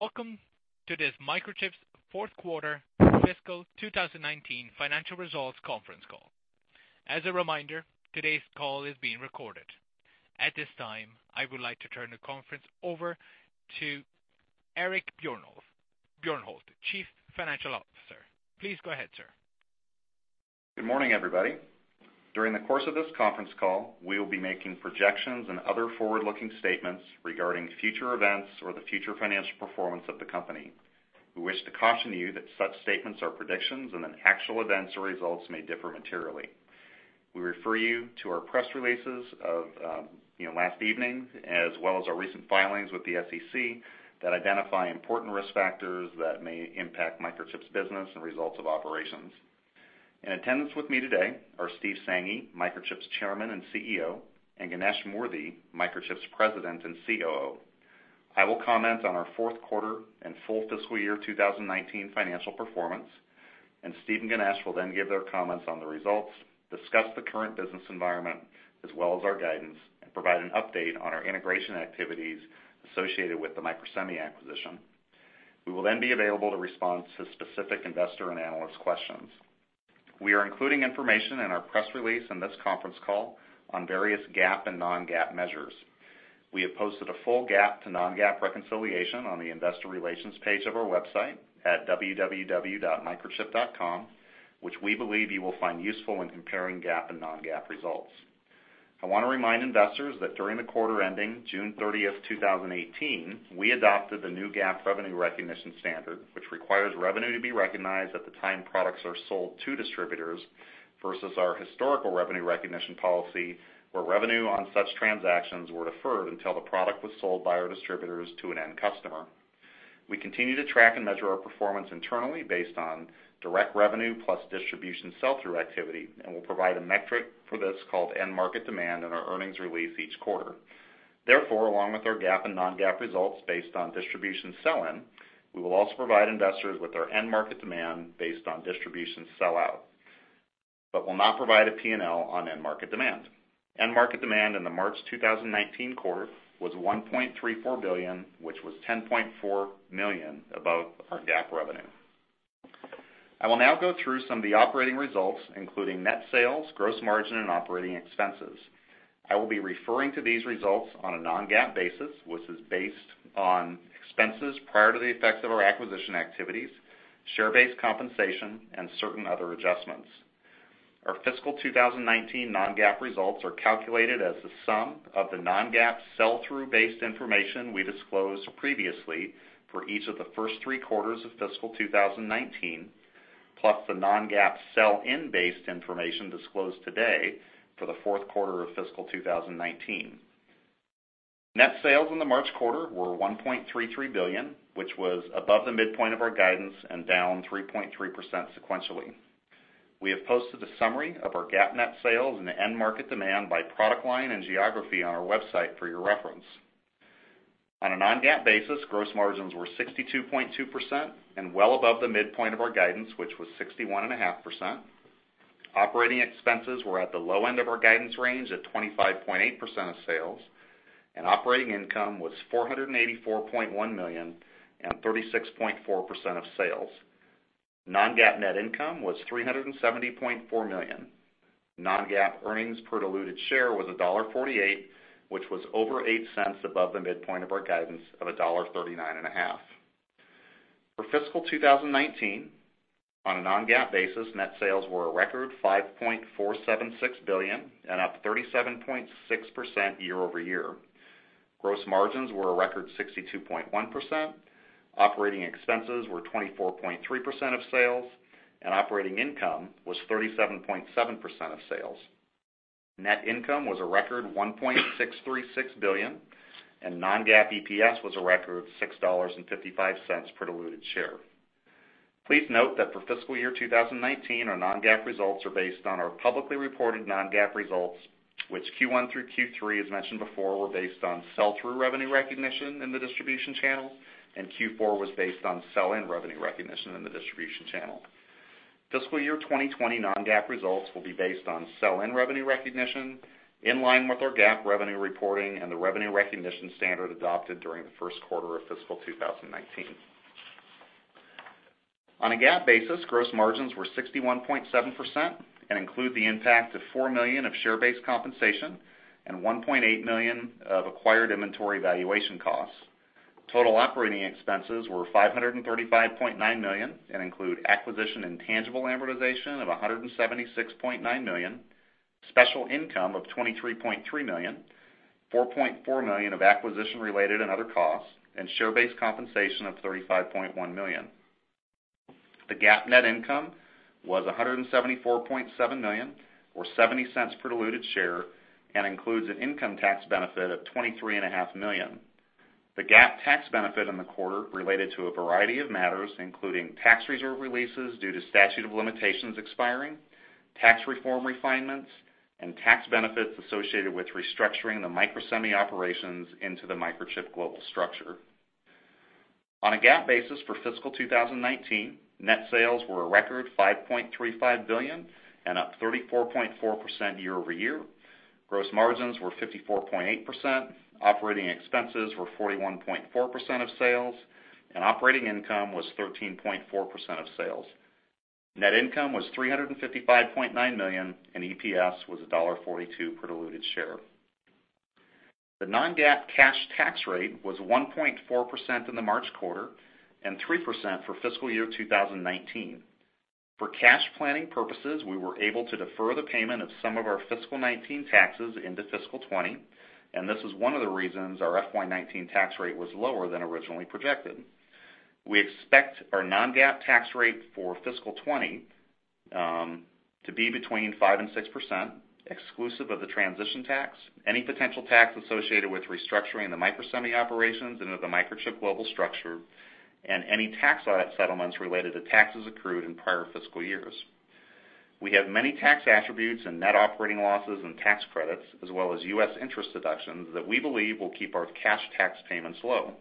Welcome to this Microchip's fourth quarter fiscal 2019 financial results conference call. As a reminder, today's call is being recorded. At this time, I would like to turn the conference over to Eric Bjornholt, Chief Financial Officer. Please go ahead, sir. Good morning, everybody. During the course of this conference call, we will be making projections and other forward-looking statements regarding future events or the future financial performance of the company. We wish to caution you that such statements are predictions and that actual events or results may differ materially. We refer you to our press releases of last evening, as well as our recent filings with the SEC that identify important risk factors that may impact Microchip's business and results of operations. In attendance with me today are Steve Sanghi, Microchip's Chairman and CEO, and Ganesh Moorthy, Microchip's President and COO. I will comment on our fourth quarter and full fiscal year 2019 financial performance, and Steve and Ganesh will then give their comments on the results, discuss the current business environment, as well as our guidance, and provide an update on our integration activities associated with the Microsemi acquisition. We will then be available to respond to specific investor and analyst questions. We are including information in our press release in this conference call on various GAAP and non-GAAP measures. We have posted a full GAAP to non-GAAP reconciliation on the investor relations page of our website at www.microchip.com, which we believe you will find useful when comparing GAAP and non-GAAP results. I want to remind investors that during the quarter ending June 30, 2018, we adopted the new GAAP revenue recognition standard, which requires revenue to be recognized at the time products are sold to distributors versus our historical revenue recognition policy where revenue on such transactions were deferred until the product was sold by our distributors to an end customer. We continue to track and measure our performance internally based on direct revenue plus distribution sell-through activity and will provide a metric for this called end market demand in our earnings release each quarter. Therefore, along with our GAAP and non-GAAP results based on distribution sell-in, we will also provide investors with our end market demand based on distribution sell-out, but will not provide a P&L on end market demand. End market demand in the March 2019 quarter was $1.34 billion, which was $10.4 million above our GAAP revenue. I will now go through some of the operating results, including net sales, gross margin, and operating expenses. I will be referring to these results on a non-GAAP basis, which is based on expenses prior to the effects of our acquisition activities, share-based compensation, and certain other adjustments. Our fiscal 2019 non-GAAP results are calculated as the sum of the non-GAAP sell-through based information we disclosed previously for each of the first three quarters of fiscal 2019, plus the non-GAAP sell-in based information disclosed today for the fourth quarter of fiscal 2019. Net sales in the March quarter were $1.33 billion, which was above the midpoint of our guidance and down 3.3% sequentially. We have posted a summary of our GAAP net sales and end market demand by product line and geography on our website for your reference. On a non-GAAP basis, gross margins were 62.2% and well above the midpoint of our guidance, which was 61.5%. Operating expenses were at the low end of our guidance range at 25.8% of sales, and operating income was $484.1 million and 36.4% of sales. Non-GAAP net income was $370.4 million. Non-GAAP earnings per diluted share was $1.48, which was over $0.08 above the midpoint of our guidance of $1.39. For fiscal 2019, on a non-GAAP basis, net sales were a record $5.476 billion and up 37.6% year-over-year. Gross margins were a record 62.1%. Operating expenses were 24.3% of sales, and operating income was 37.7% of sales. Net income was a record $1.636 billion, and non-GAAP EPS was a record $6.55 per diluted share. Please note that for fiscal year 2019, our non-GAAP results are based on our publicly reported non-GAAP results, which Q1 through Q3, as mentioned before, were based on sell-through revenue recognition in the distribution channel, and Q4 was based on sell-in revenue recognition in the distribution channel. Fiscal year 2020 non-GAAP results will be based on sell-in revenue recognition, in line with our GAAP revenue reporting and the revenue recognition standard adopted during the first quarter of fiscal 2019. On a GAAP basis, gross margins were 61.7% and include the impact of $4 million of share-based compensation and $1.8 million of acquired inventory valuation costs. Total operating expenses were $535.9 million and include acquisition intangible amortization of $176.9 million, special income of $23.3 million, $4.4 million of acquisition-related and other costs, and share-based compensation of $35.1 million. The GAAP net income was $174.7 million or $0.70 per diluted share and includes an income tax benefit of $23.5 million. The GAAP tax benefit in the quarter related to a variety of matters, including tax reserve releases due to statute of limitations expiring, tax reform refinements, and tax benefits associated with restructuring the Microsemi operations into the Microchip global structure. On a GAAP basis for fiscal 2019, net sales were a record $5.35 billion and up 34.4% year-over-year. Gross margins were 54.8%. Operating expenses were 41.4% of sales, and operating income was 13.4% of sales. Net income was $355.9 million, and EPS was $1.42 per diluted share. The non-GAAP cash tax rate was 1.4% in the March quarter and 3% for fiscal year 2019. For cash planning purposes, we were able to defer the payment of some of our fiscal 2019 taxes into fiscal 2020. This is one of the reasons our FY 2019 tax rate was lower than originally projected. We expect our non-GAAP tax rate for fiscal 2020 to be between 5% and 6%, exclusive of the transition tax, any potential tax associated with restructuring the Microsemi operations into the Microchip global structure, and any tax settlements related to taxes accrued in prior fiscal years. We have many tax attributes in net operating losses and tax credits, as well as U.S. interest deductions that we believe will keep our cash tax payments low.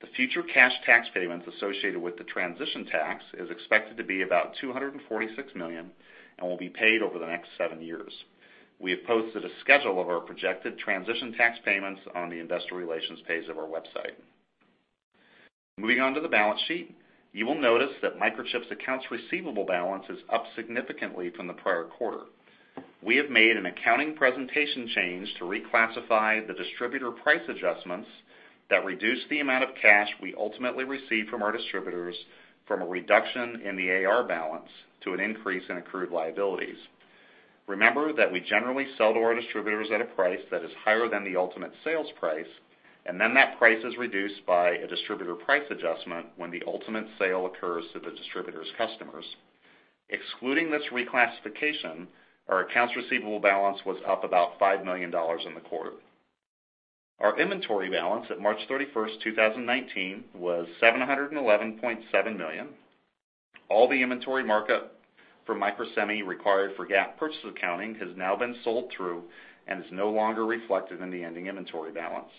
The future cash tax payments associated with the transition tax is expected to be about $246 million and will be paid over the next seven years. We have posted a schedule of our projected transition tax payments on the investor relations page of our website. Moving on to the balance sheet. You will notice that Microchip's accounts receivable balance is up significantly from the prior quarter. We have made an accounting presentation change to reclassify the distributor price adjustments that reduce the amount of cash we ultimately receive from our distributors from a reduction in the AR balance to an increase in accrued liabilities. Remember that we generally sell to our distributors at a price that is higher than the ultimate sales price, and then that price is reduced by a distributor price adjustment when the ultimate sale occurs to the distributor's customers. Excluding this reclassification, our accounts receivable balance was up about $5 million in the quarter. Our inventory balance at March 31st, 2019, was $711.7 million. All the inventory markup from Microsemi required for GAAP purchase accounting has now been sold through and is no longer reflected in the ending inventory balance.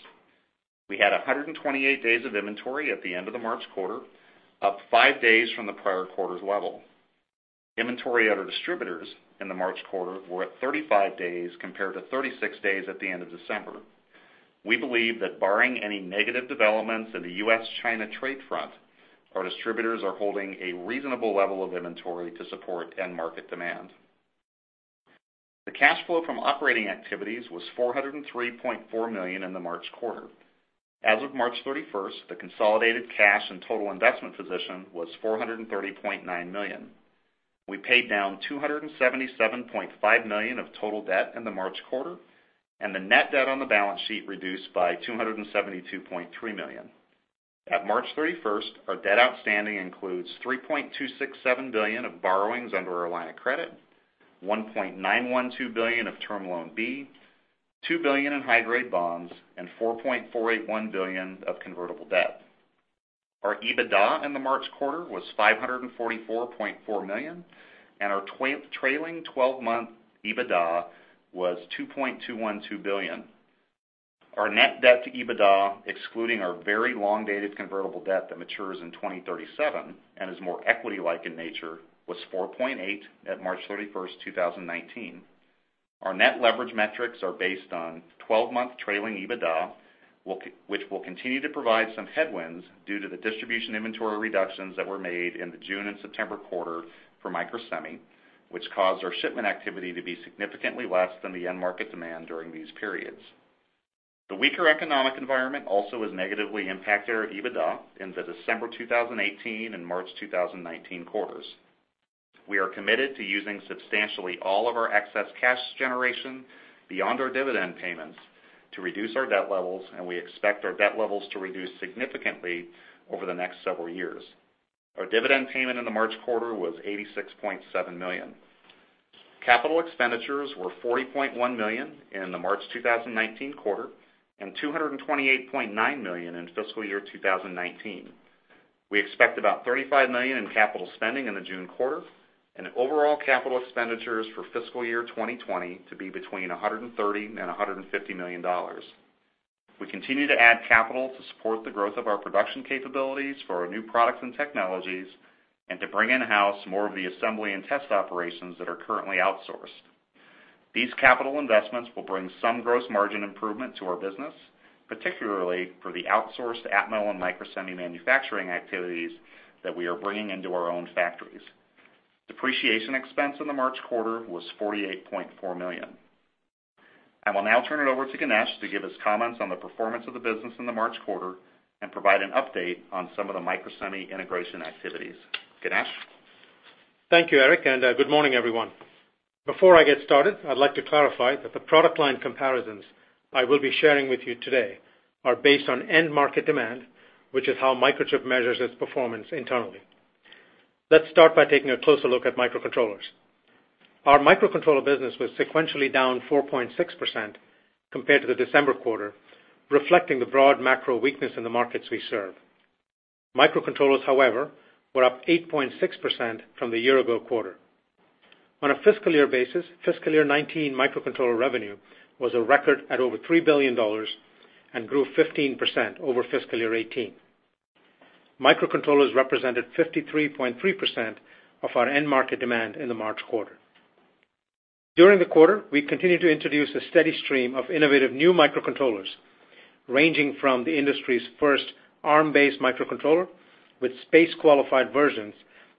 We had 128 days of inventory at the end of the March quarter, up five days from the prior quarter's level. Inventory at our distributors in the March quarter were at 35 days compared to 36 days at the end of December. We believe that barring any negative developments in the US-China trade front, our distributors are holding a reasonable level of inventory to support end market demand. The cash flow from operating activities was $403.4 million in the March quarter. As of March 31st, the consolidated cash and total investment position was $430.9 million. We paid down $277.5 million of total debt in the March quarter, and the net debt on the balance sheet reduced by $272.3 million. At March 31st, our debt outstanding includes $3.267 billion of borrowings under our line of credit, $1.912 billion of Term Loan B, $2 billion in high-grade bonds, and $4.481 billion of convertible debt. Our EBITDA in the March quarter was $544.4 million, and our trailing 12-month EBITDA was $2.212 billion. Our net debt to EBITDA, excluding our very long dated convertible debt that matures in 2037 and is more equity-like in nature, was 4.8 at March 31st, 2019. Our net leverage metrics are based on 12-month trailing EBITDA, which will continue to provide some headwinds due to the distribution inventory reductions that were made in the June and September quarter for Microsemi, which caused our shipment activity to be significantly less than the end market demand during these periods. The weaker economic environment also has negatively impacted our EBITDA in the December 2018 and March 2019 quarters. We are committed to using substantially all of our excess cash generation beyond our dividend payments to reduce our debt levels, and we expect our debt levels to reduce significantly over the next several years. Our dividend payment in the March quarter was $86.7 million. Capital expenditures were $40.1 million in the March 2019 quarter and $228.9 million in fiscal year 2019. We expect about $35 million in capital spending in the June quarter and overall capital expenditures for fiscal year 2020 to be between $130 million and $150 million. We continue to add capital to support the growth of our production capabilities for our new products and technologies, and to bring in-house more of the assembly and test operations that are currently outsourced. These capital investments will bring some gross margin improvement to our business, particularly for the outsourced Atmel and Microsemi manufacturing activities that we are bringing into our own factories. Depreciation expense in the March quarter was $48.4 million. I will now turn it over to Ganesh to give us comments on the performance of the business in the March quarter and provide an update on some of the Microsemi integration activities. Ganesh? Thank you, Eric, good morning, everyone. Before I get started, I'd like to clarify that the product line comparisons I will be sharing with you today are based on end market demand, which is how Microchip measures its performance internally. Let's start by taking a closer look at microcontrollers. Our microcontroller business was sequentially down 4.6% compared to the December quarter, reflecting the broad macro weakness in the markets we serve. Microcontrollers, however, were up 8.6% from the year-ago quarter. On a fiscal year basis, fiscal year 2019 microcontroller revenue was a record at over $3 billion and grew 15% over fiscal year 2018. Microcontrollers represented 53.3% of our end market demand in the March quarter. During the quarter, we continued to introduce a steady stream of innovative new microcontrollers, ranging from the industry's first Arm-based microcontroller with space-qualified versions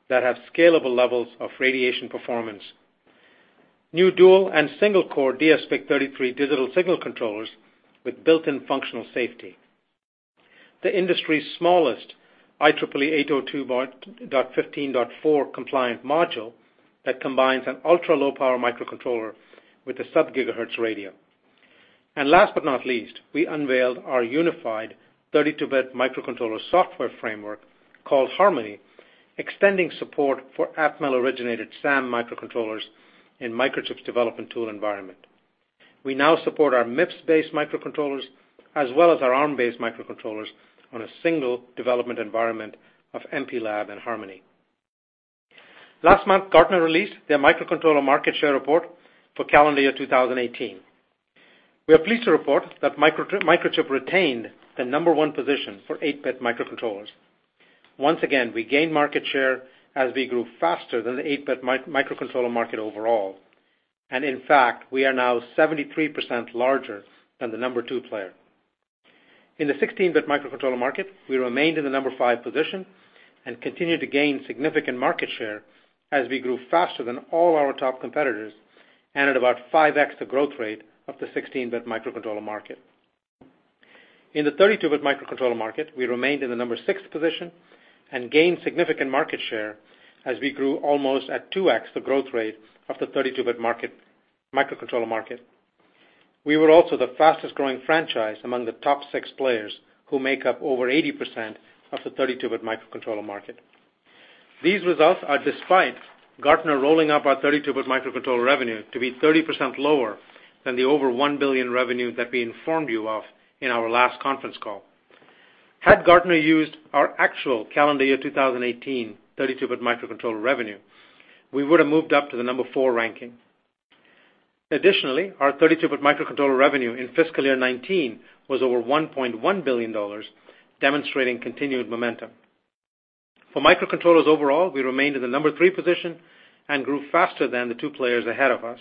that have scalable levels of radiation performance, new dual and single-core dsPIC33 digital signal controllers with built-in functional safety. The industry's smallest IEEE 802.15.4 compliant module that combines an ultra-low power microcontroller with a sub-gigahertz radio. Last but not least, we unveiled our unified 32-bit microcontroller software framework called Harmony, extending support for Atmel originated SAM microcontrollers in Microchip's development tool environment. We now support our MIPS-based microcontrollers, as well as our Arm-based microcontrollers on a single development environment of MPLAB and Harmony. Last month, Gartner released their microcontroller market share report for calendar year 2018. We are pleased to report that Microchip retained the number 1 position for 8-bit microcontrollers. Once again, we gained market share as we grew faster than the 8-bit microcontroller market overall. In fact, we are now 73% larger than the number 2 player. In the 16-bit microcontroller market, we remained in the number 5 position and continued to gain significant market share as we grew faster than all our top competitors and at about 5x the growth rate of the 16-bit microcontroller market. In the 32-bit microcontroller market, we remained in the number 6 position and gained significant market share as we grew almost at 2x the growth rate of the 32-bit microcontroller market. We were also the fastest-growing franchise among the top six players who make up over 80% of the 32-bit microcontroller market. These results are despite Gartner rolling up our 32-bit microcontroller revenue to be 30% lower than the over $1 billion revenue that we informed you of in our last conference call. Had Gartner used our actual calendar year 2018 32-bit microcontroller revenue, we would have moved up to the number 4 ranking. Additionally, our 32-bit microcontroller revenue in fiscal year 2019 was over $1.1 billion, demonstrating continued momentum. For microcontrollers overall, we remained in the number 3 position and grew faster than the two players ahead of us.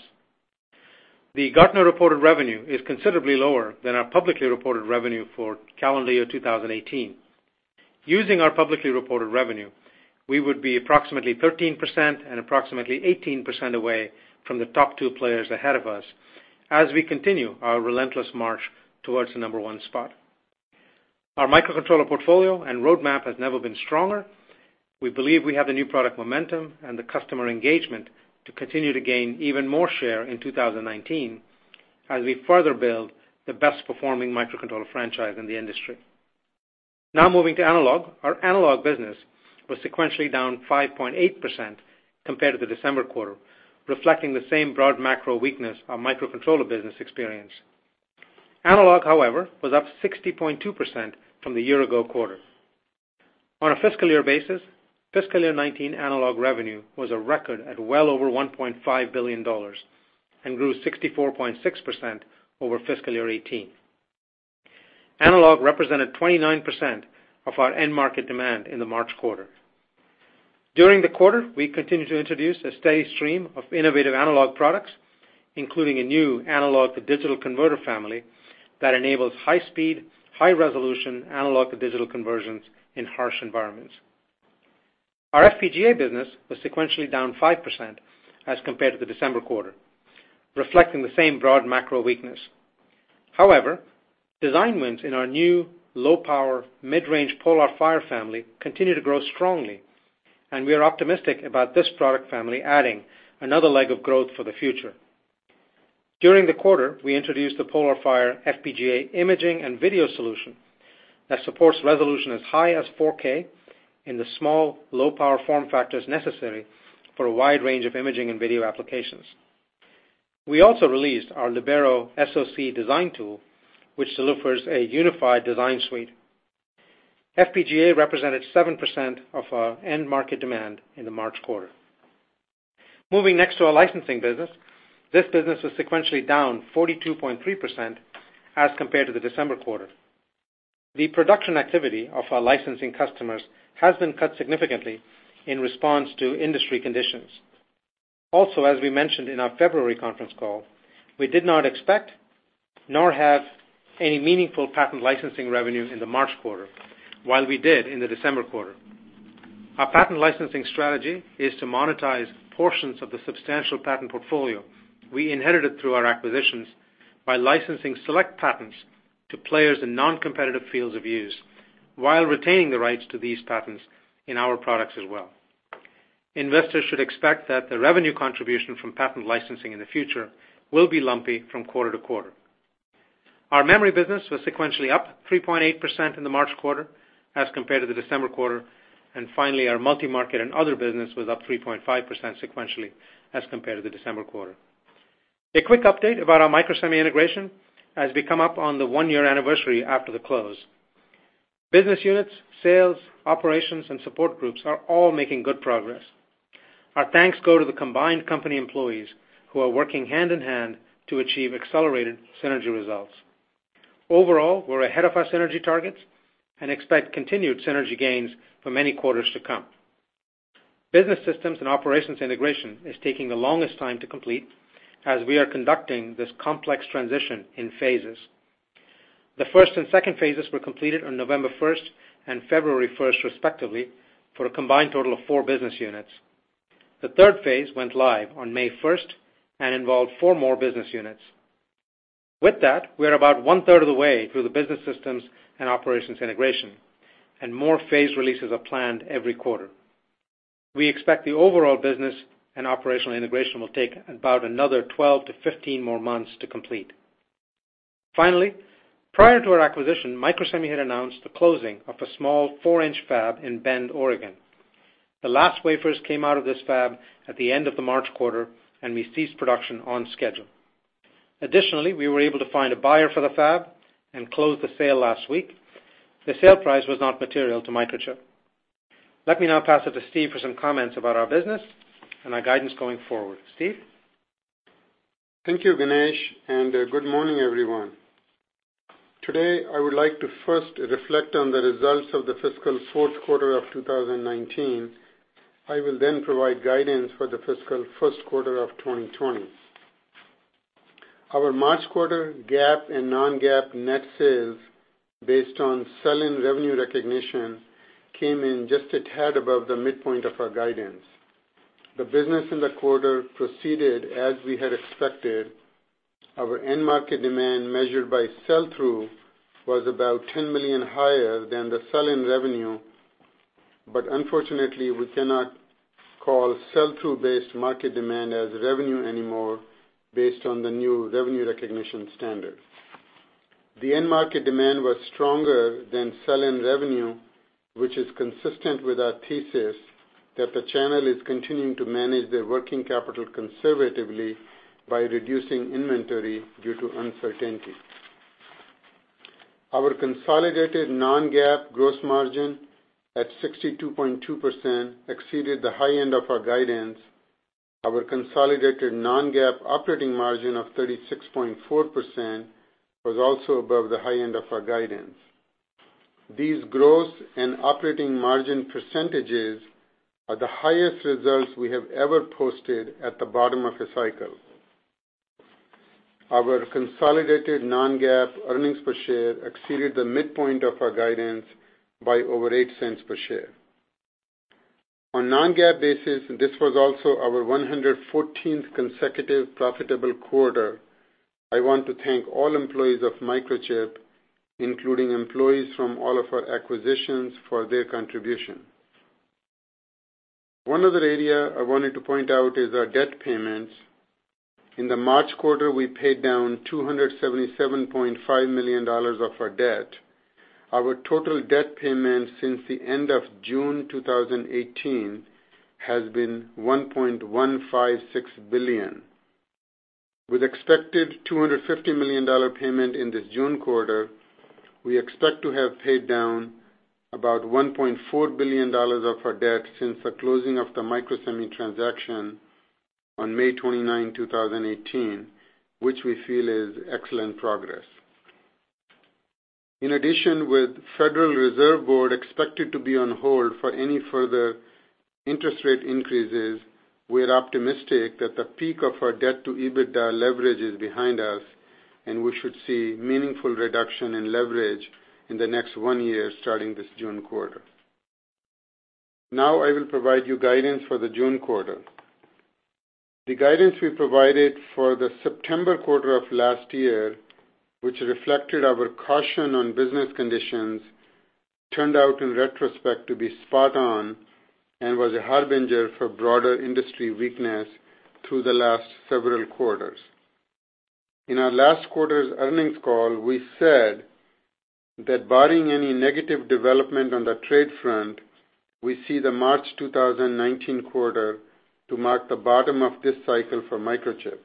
The Gartner reported revenue is considerably lower than our publicly reported revenue for calendar year 2018. Using our publicly reported revenue, we would be approximately 13% and approximately 18% away from the top two players ahead of us as we continue our relentless march towards the number 1 spot. Our microcontroller portfolio and roadmap has never been stronger. We believe we have the new product momentum and the customer engagement to continue to gain even more share in 2019 as we further build the best performing microcontroller franchise in the industry. Now moving to analog. Our analog business was sequentially down 5.8% compared to the December quarter, reflecting the same broad macro weakness our microcontroller business experienced. Analog, however, was up 60.2% from the year ago quarter. On a fiscal year basis, fiscal year 2019 analog revenue was a record at well over $1.5 billion and grew 64.6% over fiscal year 2018. Analog represented 29% of our end market demand in the March quarter. During the quarter, we continued to introduce a steady stream of innovative analog products, including a new analog to digital converter family that enables high speed, high resolution analog to digital conversions in harsh environments. Our FPGA business was sequentially down 5% as compared to the December quarter, reflecting the same broad macro weakness. However, design wins in our new low power mid-range PolarFire family continue to grow strongly, and we are optimistic about this product family adding another leg of growth for the future. During the quarter, we introduced the PolarFire FPGA imaging and video solution that supports resolution as high as 4K in the small, low power form factors necessary for a wide range of imaging and video applications. We also released our Libero SoC design tool, which delivers a unified design suite. FPGA represented 7% of our end market demand in the March quarter. Moving next to our licensing business. This business was sequentially down 42.3% as compared to the December quarter. The production activity of our licensing customers has been cut significantly in response to industry conditions. Also, as we mentioned in our February conference call, we did not expect nor have any meaningful patent licensing revenue in the March quarter, while we did in the December quarter. Our patent licensing strategy is to monetize portions of the substantial patent portfolio we inherited through our acquisitions by licensing select patents to players in non-competitive fields of use while retaining the rights to these patents in our products as well. Investors should expect that the revenue contribution from patent licensing in the future will be lumpy from quarter to quarter. Our memory business was sequentially up 3.8% in the March quarter as compared to the December quarter. Finally, our multi-market and other business was up 3.5% sequentially as compared to the December quarter. A quick update about our Microsemi integration as we come up on the one-year anniversary after the close. Business units, sales, operations, and support groups are all making good progress. Our thanks go to the combined company employees who are working hand in hand to achieve accelerated synergy results. Overall, we're ahead of our synergy targets and expect continued synergy gains for many quarters to come. Business systems and operations integration is taking the longest time to complete as we are conducting this complex transition in phases. The first and second phases were completed on November 1st and February 1st respectively for a combined total of four business units. The third phase went live on May 1st and involved four more business units. With that, we're about one third of the way through the business systems and operations integration, and more phase releases are planned every quarter. We expect the overall business and operational integration will take about another 12-15 more months to complete. Finally, prior to our acquisition, Microsemi had announced the closing of a small four-inch fab in Bend, Oregon. The last wafers came out of this fab at the end of the March quarter, and we ceased production on schedule. Additionally, we were able to find a buyer for the fab and close the sale last week. The sale price was not material to Microchip. Let me now pass it to Steve for some comments about our business and our guidance going forward. Steve? Thank you, Ganesh, and good morning, everyone. Today, I would like to first reflect on the results of the fiscal fourth quarter of 2019. I will then provide guidance for the fiscal first quarter of 2020. Our March quarter GAAP and non-GAAP net sales, based on sell-in revenue recognition, came in just a tad above the midpoint of our guidance. The business in the quarter proceeded as we had expected. Our end market demand measured by sell-through was about $10 million higher than the sell-in revenue. Unfortunately, we cannot call sell-through based market demand as revenue anymore based on the new revenue recognition standard. The end market demand was stronger than sell-in revenue, which is consistent with our thesis that the channel is continuing to manage their working capital conservatively by reducing inventory due to uncertainty. Our consolidated non-GAAP gross margin at 62.2% exceeded the high end of our guidance. Our consolidated non-GAAP operating margin of 36.4% was also above the high end of our guidance. These gross and operating margin percentages are the highest results we have ever posted at the bottom of a cycle. Our consolidated non-GAAP earnings per share exceeded the midpoint of our guidance by over $0.08 per share. On non-GAAP basis, this was also our 114th consecutive profitable quarter. I want to thank all employees of Microchip, including employees from all of our acquisitions, for their contribution. One other area I wanted to point out is our debt payments. In the March quarter, we paid down $277.5 million of our debt. Our total debt payment since the end of June 2018 has been $1.156 billion. With expected $250 million payment in this June quarter, we expect to have paid down about $1.4 billion of our debt since the closing of the Microsemi transaction on May 29, 2018, which we feel is excellent progress. In addition, with Federal Reserve Board expected to be on hold for any further interest rate increases, we're optimistic that the peak of our debt to EBITDA leverage is behind us, and we should see meaningful reduction in leverage in the next one year starting this June quarter. I will provide you guidance for the June quarter. The guidance we provided for the September quarter of last year, which reflected our caution on business conditions, turned out in retrospect to be spot on and was a harbinger for broader industry weakness through the last several quarters. In our last quarter's earnings call, we said that barring any negative development on the trade front, we see the March 2019 quarter to mark the bottom of this cycle for Microchip.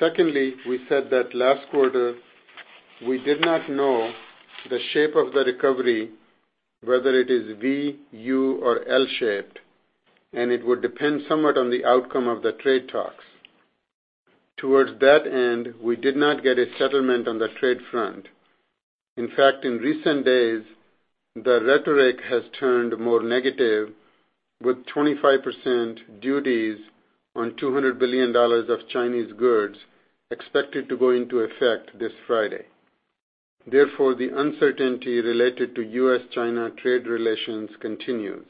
We said that last quarter, we did not know the shape of the recovery, whether it is V, U, or L-shaped, and it would depend somewhat on the outcome of the trade talks. We did not get a settlement on the trade front. In fact, in recent days, the rhetoric has turned more negative with 25% duties on $200 billion of Chinese goods expected to go into effect this Friday. The uncertainty related to US-China trade relations continues.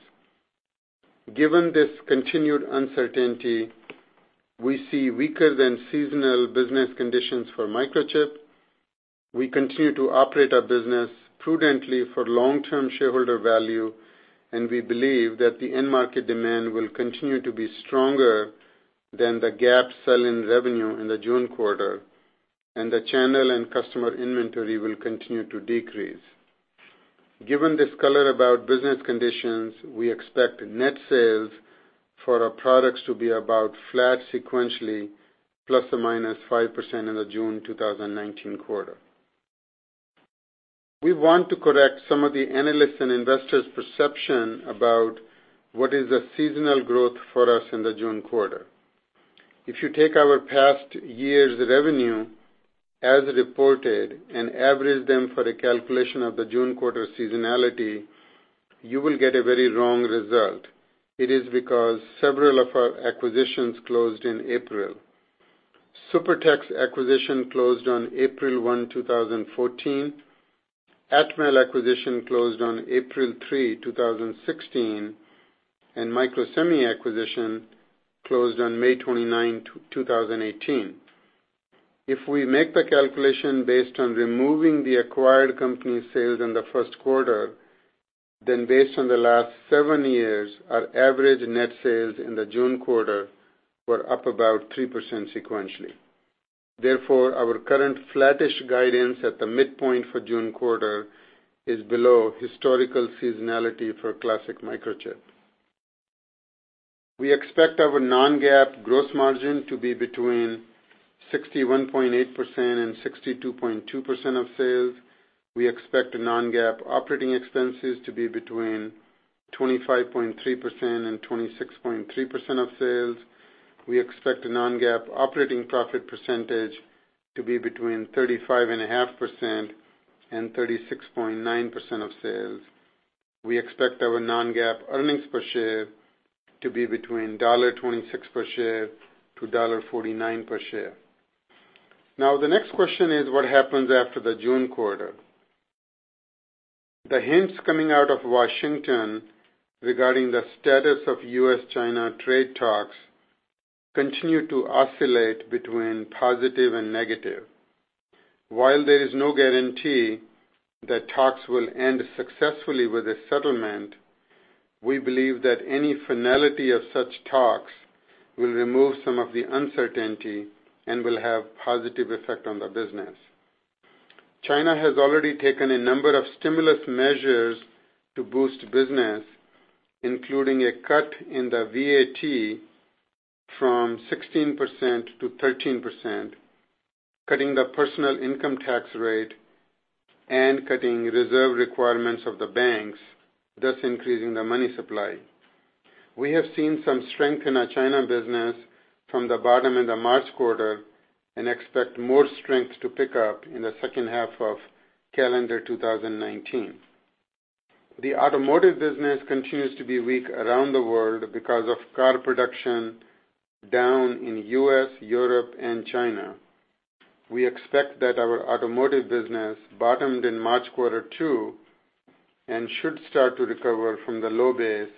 Given this continued uncertainty, we see weaker than seasonal business conditions for Microchip. We continue to operate our business prudently for long-term shareholder value, and we believe that the end market demand will continue to be stronger than the GAAP sell-in revenue in the June quarter, and the channel and customer inventory will continue to decrease. Given this color about business conditions, we expect net sales for our products to be about flat sequentially, ±5% in the June 2019 quarter. We want to correct some of the analysts' and investors' perception about what is the seasonal growth for us in the June quarter. If you take our past year's revenue as reported and average them for a calculation of the June quarter seasonality, you will get a very wrong result. It is because several of our acquisitions closed in April. Supertex acquisition closed on April 1, 2014, Atmel acquisition closed on April 3, 2016, Microsemi acquisition closed on May 29, 2018. If we make the calculation based on removing the acquired company's sales in the first quarter, then based on the last seven years, our average net sales in the June quarter were up about 3% sequentially. Our current flattish guidance at the midpoint for June quarter is below historical seasonality for Classic Microchip. We expect our non-GAAP gross margin to be between 61.8%-62.2% of sales. We expect non-GAAP operating expenses to be between 25.3%-26.3% of sales. We expect non-GAAP operating profit percentage to be between 35.5%-36.9% of sales. We expect our non-GAAP earnings per share to be between $1.26 per share-$1.49 per share. The next question is what happens after the June quarter. The hints coming out of Washington regarding the status of U.S.-China trade talks continue to oscillate between positive and negative. While there is no guarantee that talks will end successfully with a settlement, we believe that any finality of such talks will remove some of the uncertainty and will have positive effect on the business. China has already taken a number of stimulus measures to boost business, including a cut in the VAT from 16%-13%, cutting the personal income tax rate and cutting reserve requirements of the banks, thus increasing the money supply. We have seen some strength in our China business from the bottom in the March quarter and expect more strength to pick up in the second half of calendar 2019. The automotive business continues to be weak around the world because of car production down in U.S., Europe, and China. We expect that our automotive business bottomed in March quarter, too, and should start to recover from the low base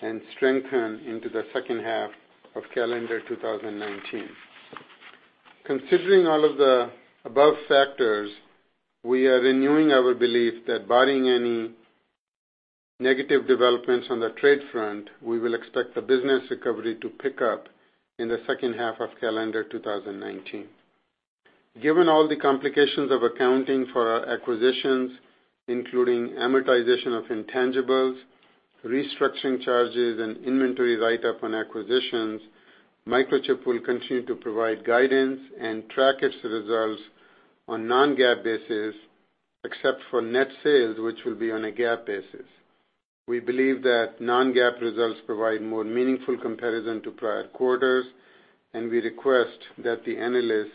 and strengthen into the second half of calendar 2019. Given all the complications of accounting for our acquisitions, including amortization of intangibles, restructuring charges, and inventory write-up on acquisitions, Microchip will continue to provide guidance and track its results on non-GAAP basis, except for net sales, which will be on a GAAP basis. We believe that non-GAAP results provide more meaningful comparison to prior quarters. We request that the analysts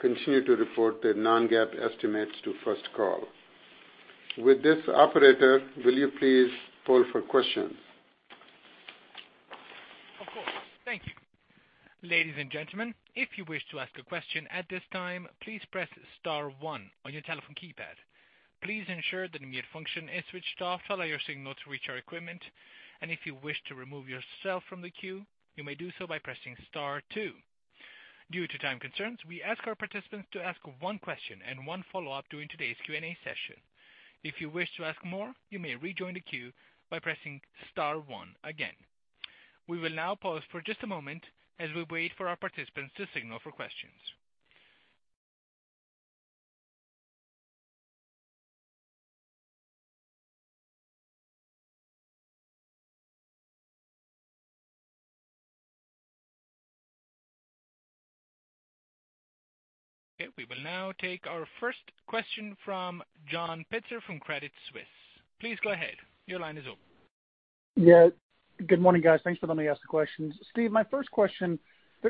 continue to report their non-GAAP estimates to first call. With this, operator, will you please poll for questions? Of course. Thank you. Ladies and gentlemen, if you wish to ask a question at this time, please press *1 on your telephone keypad. Please ensure that the mute function is switched off. Follow your signal to reach our equipment. If you wish to remove yourself from the queue, you may do so by pressing *2. Due to time concerns, we ask our participants to ask one question and one follow-up during today's Q&A session. If you wish to ask more, you may rejoin the queue by pressing *1 again. We will now pause for just a moment as we wait for our participants to signal for questions. Okay, we will now take our first question from John Pitzer from Credit Suisse. Please go ahead. Your line is open. Good morning, guys. Thanks for letting me ask the questions. Steve, my first question,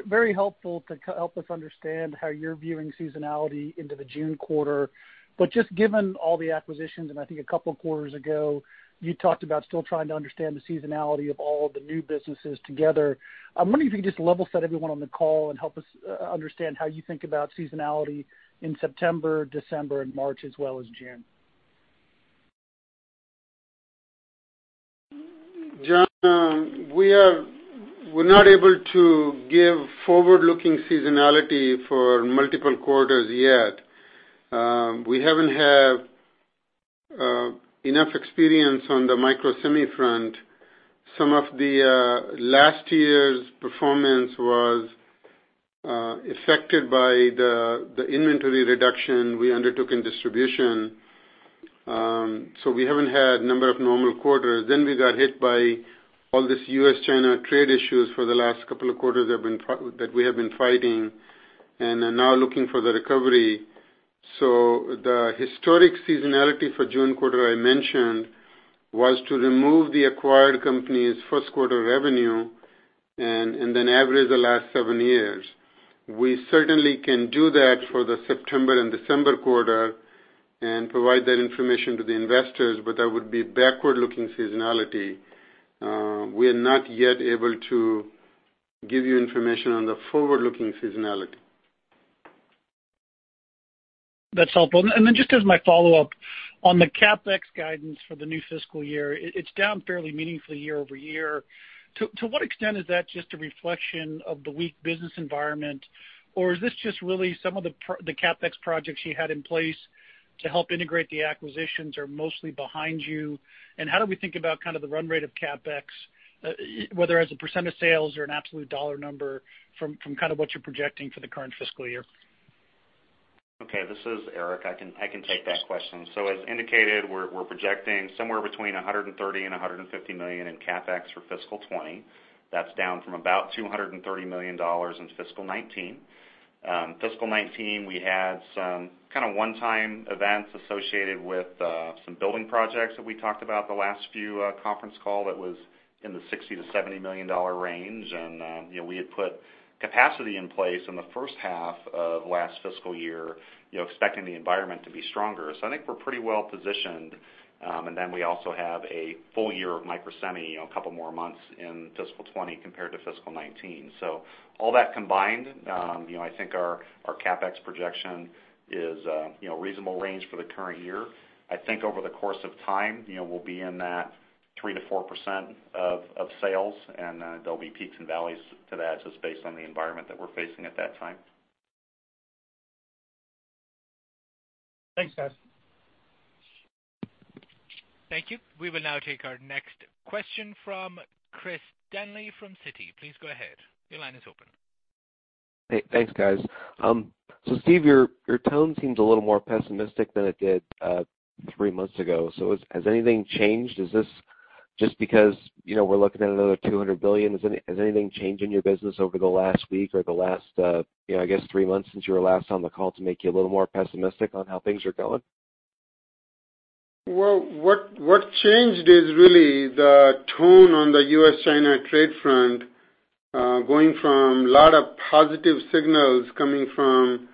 very helpful to help us understand how you're viewing seasonality into the June quarter. Just given all the acquisitions, and I think a couple quarters ago, you talked about still trying to understand the seasonality of all the new businesses together. I'm wondering if you can just level set everyone on the call and help us understand how you think about seasonality in September, December, and March, as well as June. John, we're not able to give forward-looking seasonality for multiple quarters yet. We haven't had enough experience on the Microsemi front. Some of the last year's performance was affected by the inventory reduction we undertook in distribution. We haven't had number of normal quarters. We got hit by all these US-China trade issues for the last couple of quarters that we have been fighting. And are now looking for the recovery. The historic seasonality for June quarter I mentioned was to remove the acquired company's first quarter revenue and then average the last seven years. We certainly can do that for the September and December quarter and provide that information to the investors, but that would be backward-looking seasonality. We are not yet able to give you information on the forward-looking seasonality. That's helpful. Just as my follow-up, on the CapEx guidance for the new fiscal year, it's down fairly meaningfully year-over-year. To what extent is that just a reflection of the weak business environment, or is this just really some of the CapEx projects you had in place to help integrate the acquisitions are mostly behind you? How do we think about kind of the run rate of CapEx, whether as a % of sales or an absolute dollar number from what you're projecting for the current fiscal year? Okay, this is Eric. I can take that question. As indicated, we're projecting somewhere between $130 million and $150 million in CapEx for FY 2020. That's down from about $230 million in FY 2019. FY 2019, we had some kind of one-time events associated with some building projects that we talked about the last few conference call that was in the $60 million-$70 million range. We had put capacity in place in the first half of last fiscal year, expecting the environment to be stronger. I think we're pretty well-positioned. We also have a full year of Microsemi, a couple more months in FY 2020 compared to FY 2019. All that combined, I think our CapEx projection is reasonable range for the current year. I think over the course of time, we'll be in that 3%-4% of sales, there'll be peaks and valleys to that just based on the environment that we're facing at that time. Thanks, guys. Thank you. We will now take our next question from Chris Danely from Citi. Please go ahead. Your line is open. Hey, thanks, guys. Steve, your tone seems a little more pessimistic than it did three months ago. Has anything changed? Is this just because we're looking at another $200 billion? Has anything changed in your business over the last week or the last, I guess, three months since you were last on the call to make you a little more pessimistic on how things are going? What changed is really the tone on the US-China trade front, going from a lot of positive signals coming from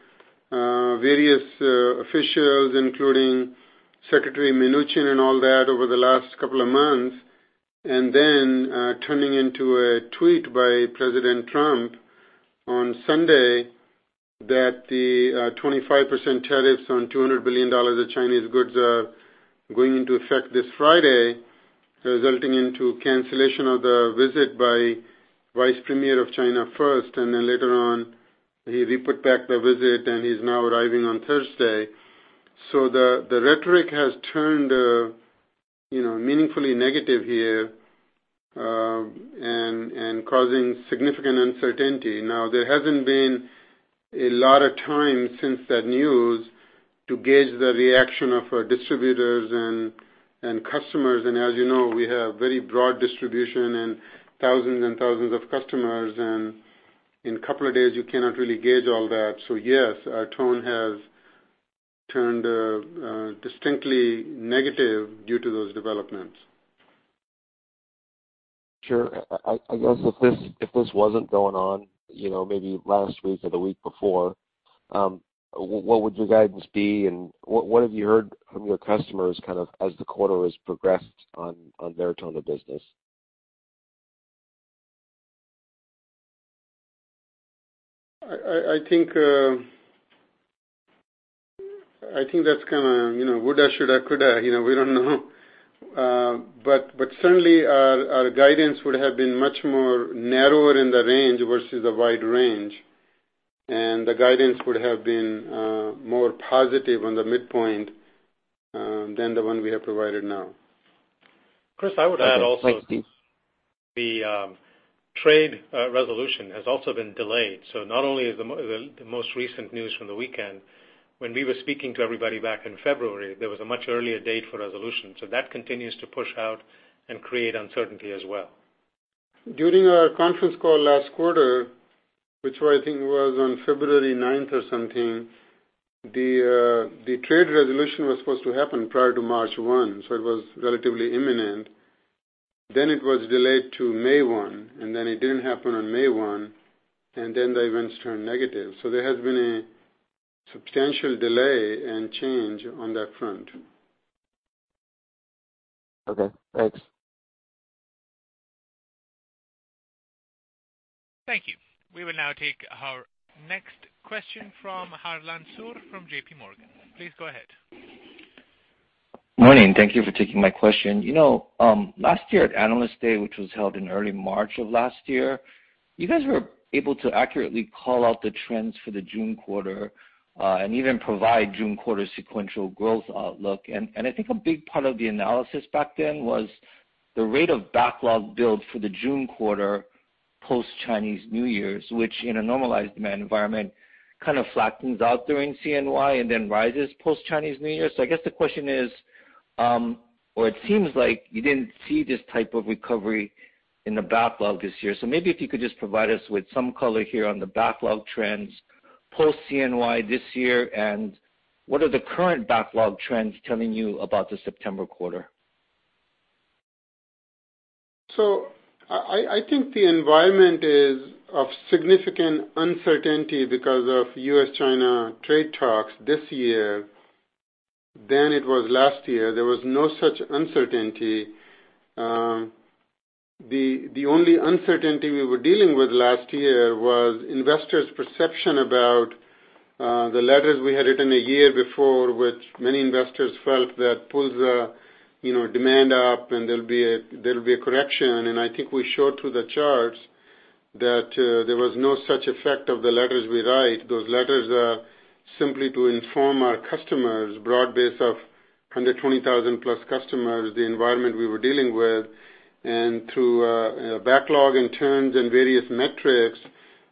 various officials, including Secretary Mnuchin and all that over the last couple of months, and then turning into a tweet by President Trump on Sunday that the 25% tariffs on $200 billion of Chinese goods are going into effect this Friday, resulting into cancellation of the visit by Vice Premier of China first, and then later on, he put back the visit, and he's now arriving on Thursday. The rhetoric has turned meaningfully negative here, and causing significant uncertainty. There hasn't been a lot of time since that news to gauge the reaction of our distributors and customers. As you know, we have very broad distribution and thousands and thousands of customers, and in a couple of days, you cannot really gauge all that. Yes, our tone has turned distinctly negative due to those developments. Sure. I guess if this wasn't going on maybe last week or the week before, what would your guidance be and what have you heard from your customers kind of as the quarter has progressed on their tone of business? I think that's kind of woulda, shoulda, coulda. We don't know. Certainly, our guidance would have been much more narrower in the range versus the wide range, and the guidance would have been more positive on the midpoint than the one we have provided now. Chris, I would add also. Thanks, Steve. The trade resolution has also been delayed. Not only is the most recent news from the weekend, when we were speaking to everybody back in February, there was a much earlier date for resolution. That continues to push out and create uncertainty as well. During our conference call last quarter, which I think was on February 9th or something, the trade resolution was supposed to happen prior to March 1. It was relatively imminent. It was delayed to May 1, it didn't happen on May 1, the events turned negative. There has been a substantial delay and change on that front. Okay, thanks. Thank you. We will now take our next question from Harlan Sur from J.P. Morgan. Please go ahead. Morning. Thank you for taking my question. Last year at Analyst Day, which was held in early March of last year, you guys were able to accurately call out the trends for the June quarter, and even provide June quarter sequential growth outlook. I think a big part of the analysis back then was the rate of backlog build for the June quarter post-Chinese New Year, which in a normalized demand environment, kind of flattens out during CNY and then rises post-Chinese New Year. I guess the question is, or it seems like you didn't see this type of recovery in the backlog this year. Maybe if you could just provide us with some color here on the backlog trends post CNY this year, and what are the current backlog trends telling you about the September quarter? I think the environment is of significant uncertainty because of US-China trade talks this year than it was last year. There was no such uncertainty. The only uncertainty we were dealing with last year was investors' perception about the letters we had written a year before, which many investors felt that pulls the demand up and there'll be a correction. I think we showed through the charts that there was no such effect of the letters we write. Those letters are simply to inform our customers, broad base of 120,000-plus customers, the environment we were dealing with. Through backlog and turns and various metrics,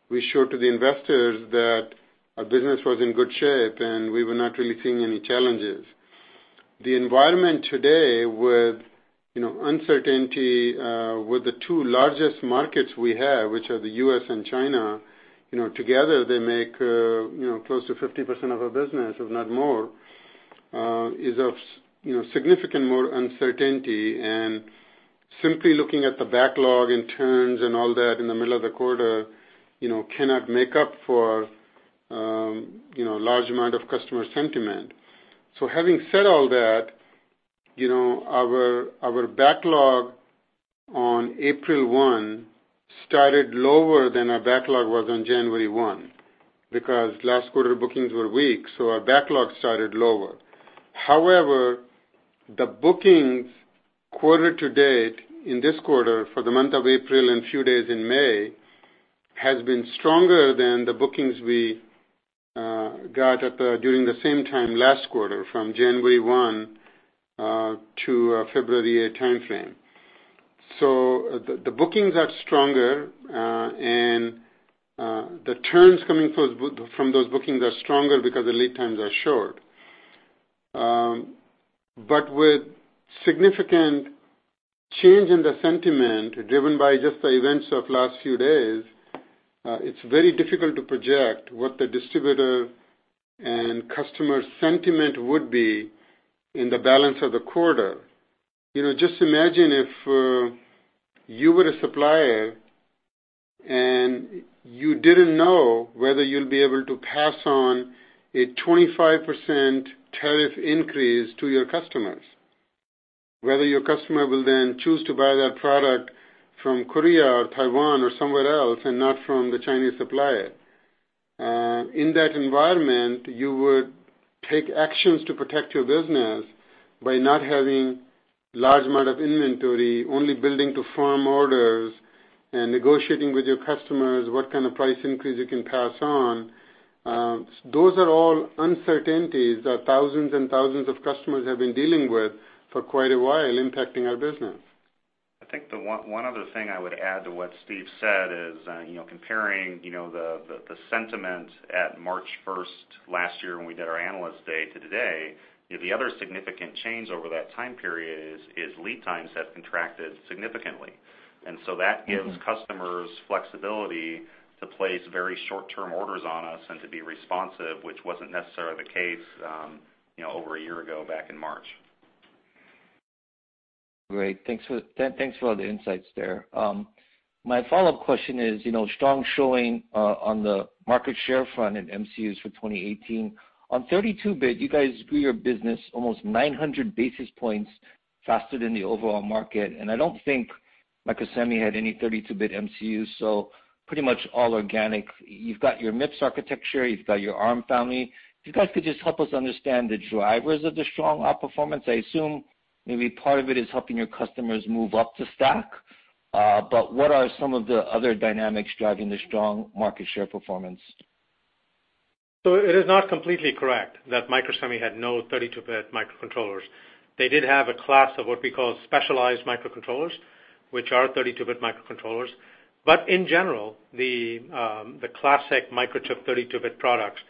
we showed to the investors that our business was in good shape, and we were not really seeing any challenges. The environment today with uncertainty with the two largest markets we have, which are the U.S. and China, together they make close to 50% of our business, if not more, is of significant more uncertainty. Simply looking at the backlog and turns and all that in the middle of the quarter, cannot make up for large amount of customer sentiment. Having said all that, our backlog on April 1 started lower than our backlog was on January 1, because last quarter bookings were weak, so our backlog started lower. However, the bookings quarter to date in this quarter for the month of April and few days in May, has been stronger than the bookings we got during the same time last quarter, from January 1 to February 8 timeframe. The bookings are stronger, and the turns coming from those bookings are stronger because the lead times are short. With significant change in the sentiment driven by just the events of last few days, it's very difficult to project what the distributor and customer sentiment would be in the balance of the quarter. Just imagine if you were a supplier and you didn't know whether you'll be able to pass on a 25% tariff increase to your customers, whether your customer will then choose to buy that product from Korea or Taiwan or somewhere else, and not from the Chinese supplier. In that environment, you would take actions to protect your business by not having large amount of inventory, only building to firm orders, and negotiating with your customers what kind of price increase you can pass on. Those are all uncertainties that thousands and thousands of customers have been dealing with for quite a while, impacting our business. I think the one other thing I would add to what Steve said is, comparing the sentiment at March 1st last year when we did our Analyst Day to today, the other significant change over that time period is lead times have contracted significantly. That gives customers flexibility to place very short-term orders on us and to be responsive, which wasn't necessarily the case over a year ago, back in March. Great. Thanks for all the insights there. My follow-up question is, strong showing on the market share front in MCUs for 2018. On 32-bit, you guys grew your business almost 900 basis points faster than the overall market, and I don't think Microsemi had any 32-bit MCUs, so pretty much all organic. You've got your MIPS architecture, you've got your Arm family. If you guys could just help us understand the drivers of the strong outperformance. I assume maybe part of it is helping your customers move up the stack. What are some of the other dynamics driving the strong market share performance? It is not completely correct that Microsemi had no 32-bit microcontrollers. They did have a class of what we call specialized microcontrollers, which are 32-bit microcontrollers. In general, the classic Microchip 32-bit products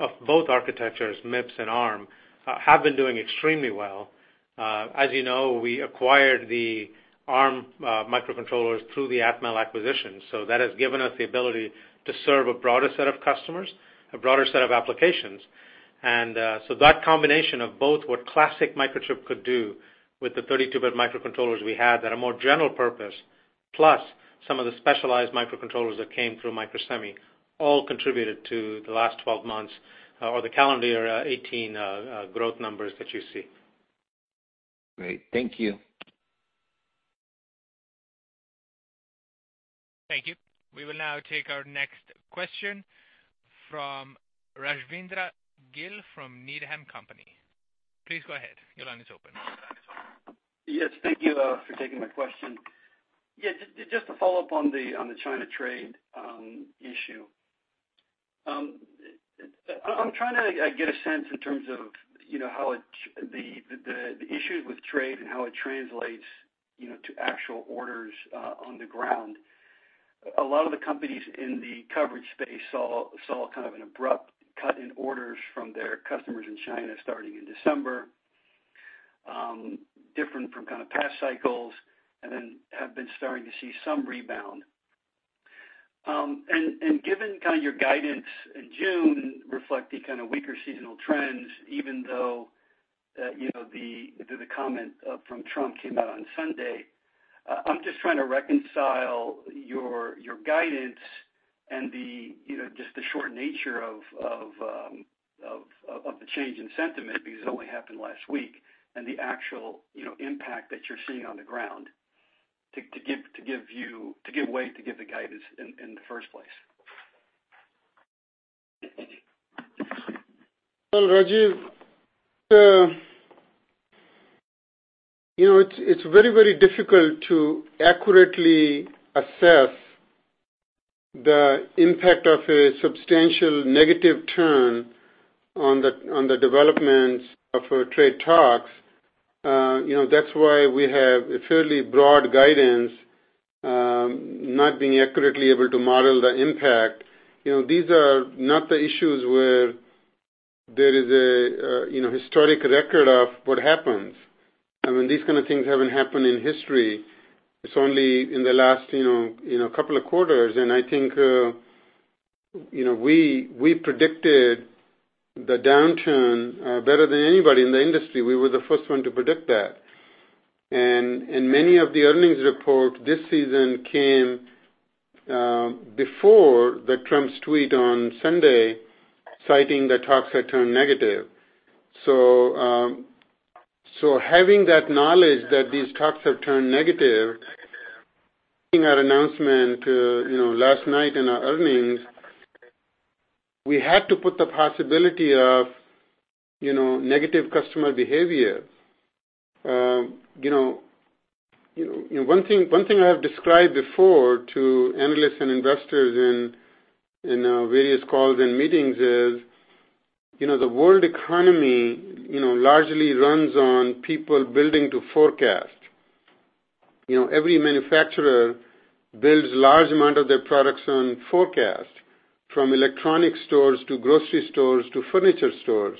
of both architectures, MIPS and Arm, have been doing extremely well. As you know, we acquired the Arm microcontrollers through the Atmel acquisition, so that has given us the ability to serve a broader set of customers, a broader set of applications. That combination of both what classic Microchip could do with the 32-bit microcontrollers we had that are more general purpose, plus some of the specialized microcontrollers that came through Microsemi, all contributed to the last 12 months, or the calendar year 2018 growth numbers that you see. Great. Thank you. Thank you. We will now take our next question from Rajvindra Gill from Needham & Company. Please go ahead. Your line is open. Yes, thank you for taking my question. Just to follow up on the China trade issue. I am trying to get a sense in terms of the issues with trade and how it translates to actual orders on the ground. A lot of the companies in the coverage space saw an abrupt cut in orders from their customers in China starting in December, different from past cycles, and then have been starting to see some rebound. Given your guidance in June reflecting weaker seasonal trends, even though the comment from Trump came out on Sunday, I am just trying to reconcile your guidance and just the short nature of the change in sentiment, because it only happened last week, and the actual impact that you are seeing on the ground to give way to give the guidance in the first place. Well, Rajiv, it's very, very difficult to accurately assess the impact of a substantial negative turn on the developments of trade talks. That's why we have a fairly broad guidance, not being accurately able to model the impact. These are not the issues where there is a historic record of what happens. These kind of things haven't happened in history. It's only in the last couple of quarters, and I think we predicted the downturn better than anybody in the industry. We were the first one to predict that. Many of the earnings report this season came before Trump's tweet on Sunday citing the talks had turned negative. Having that knowledge that these talks have turned negative, in our announcement last night in our earnings, we had to put the possibility of negative customer behavior. One thing I have described before to analysts and investors in our various calls and meetings is, the world economy largely runs on people building to forecast. Every manufacturer builds large amount of their products on forecast, from electronic stores to grocery stores to furniture stores.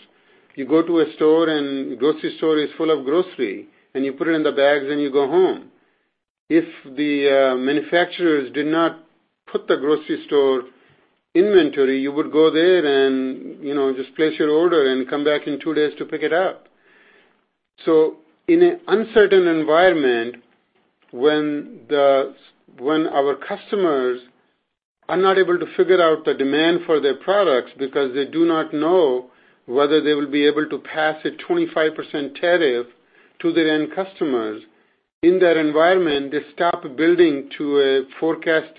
You go to a store and grocery store is full of grocery, and you put it in the bags and you go home. If the manufacturers did not put the grocery store inventory, you would go there and just place your order and come back in two days to pick it up. In an uncertain environment, when our customers are not able to figure out the demand for their products because they do not know whether they will be able to pass a 25% tariff to their end customers, in that environment, they stop building to a forecast.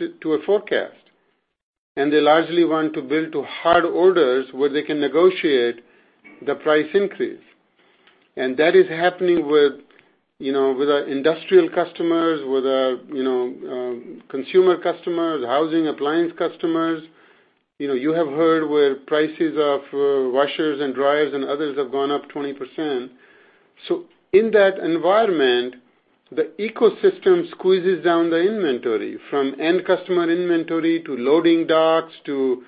They largely want to build to hard orders where they can negotiate the price increase. That is happening with our industrial customers, with our consumer customers, housing appliance customers. You have heard where prices of washers and dryers and others have gone up 20%. In that environment, the ecosystem squeezes down the inventory, from end customer inventory to loading docks to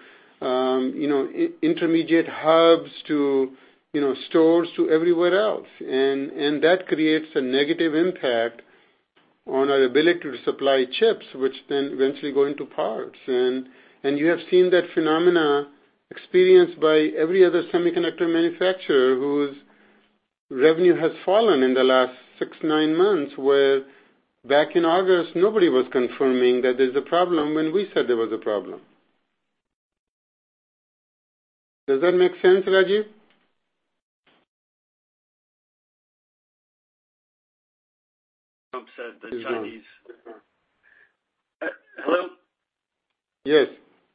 intermediate hubs to stores to everywhere else. That creates a negative impact on our ability to supply chips, which then eventually go into parts. You have seen that phenomena experienced by every other semiconductor manufacturer whose revenue has fallen in the last six, nine months, where back in August, nobody was confirming that there's a problem when we said there was a problem. Does that make sense, Rajiv? Trump said the Chinese- Yes, go on. Hello? Yes.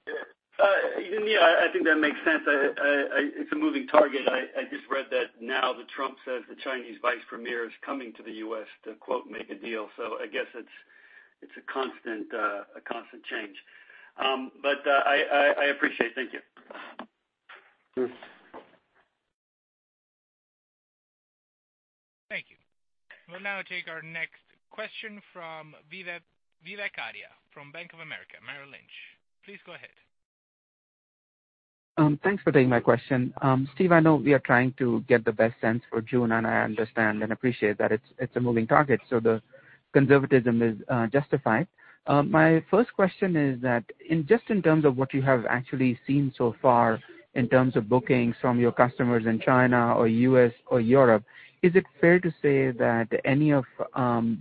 Yeah. I think that makes sense. It's a moving target. I just read that now that Trump says the Chinese Vice Premier is coming to the U.S. to quote, "Make a deal." I guess it's a constant change. I appreciate. Thank you. Sure. Thank you. We'll now take our next question from Vivek Arya from Bank of America Merrill Lynch. Please go ahead. Thanks for taking my question. Steve, I know we are trying to get the best sense for June, and I understand and appreciate that it's a moving target, so the conservatism is justified. My first question is that just in terms of what you have actually seen so far in terms of bookings from your customers in China or U.S. or Europe, is it fair to say that any of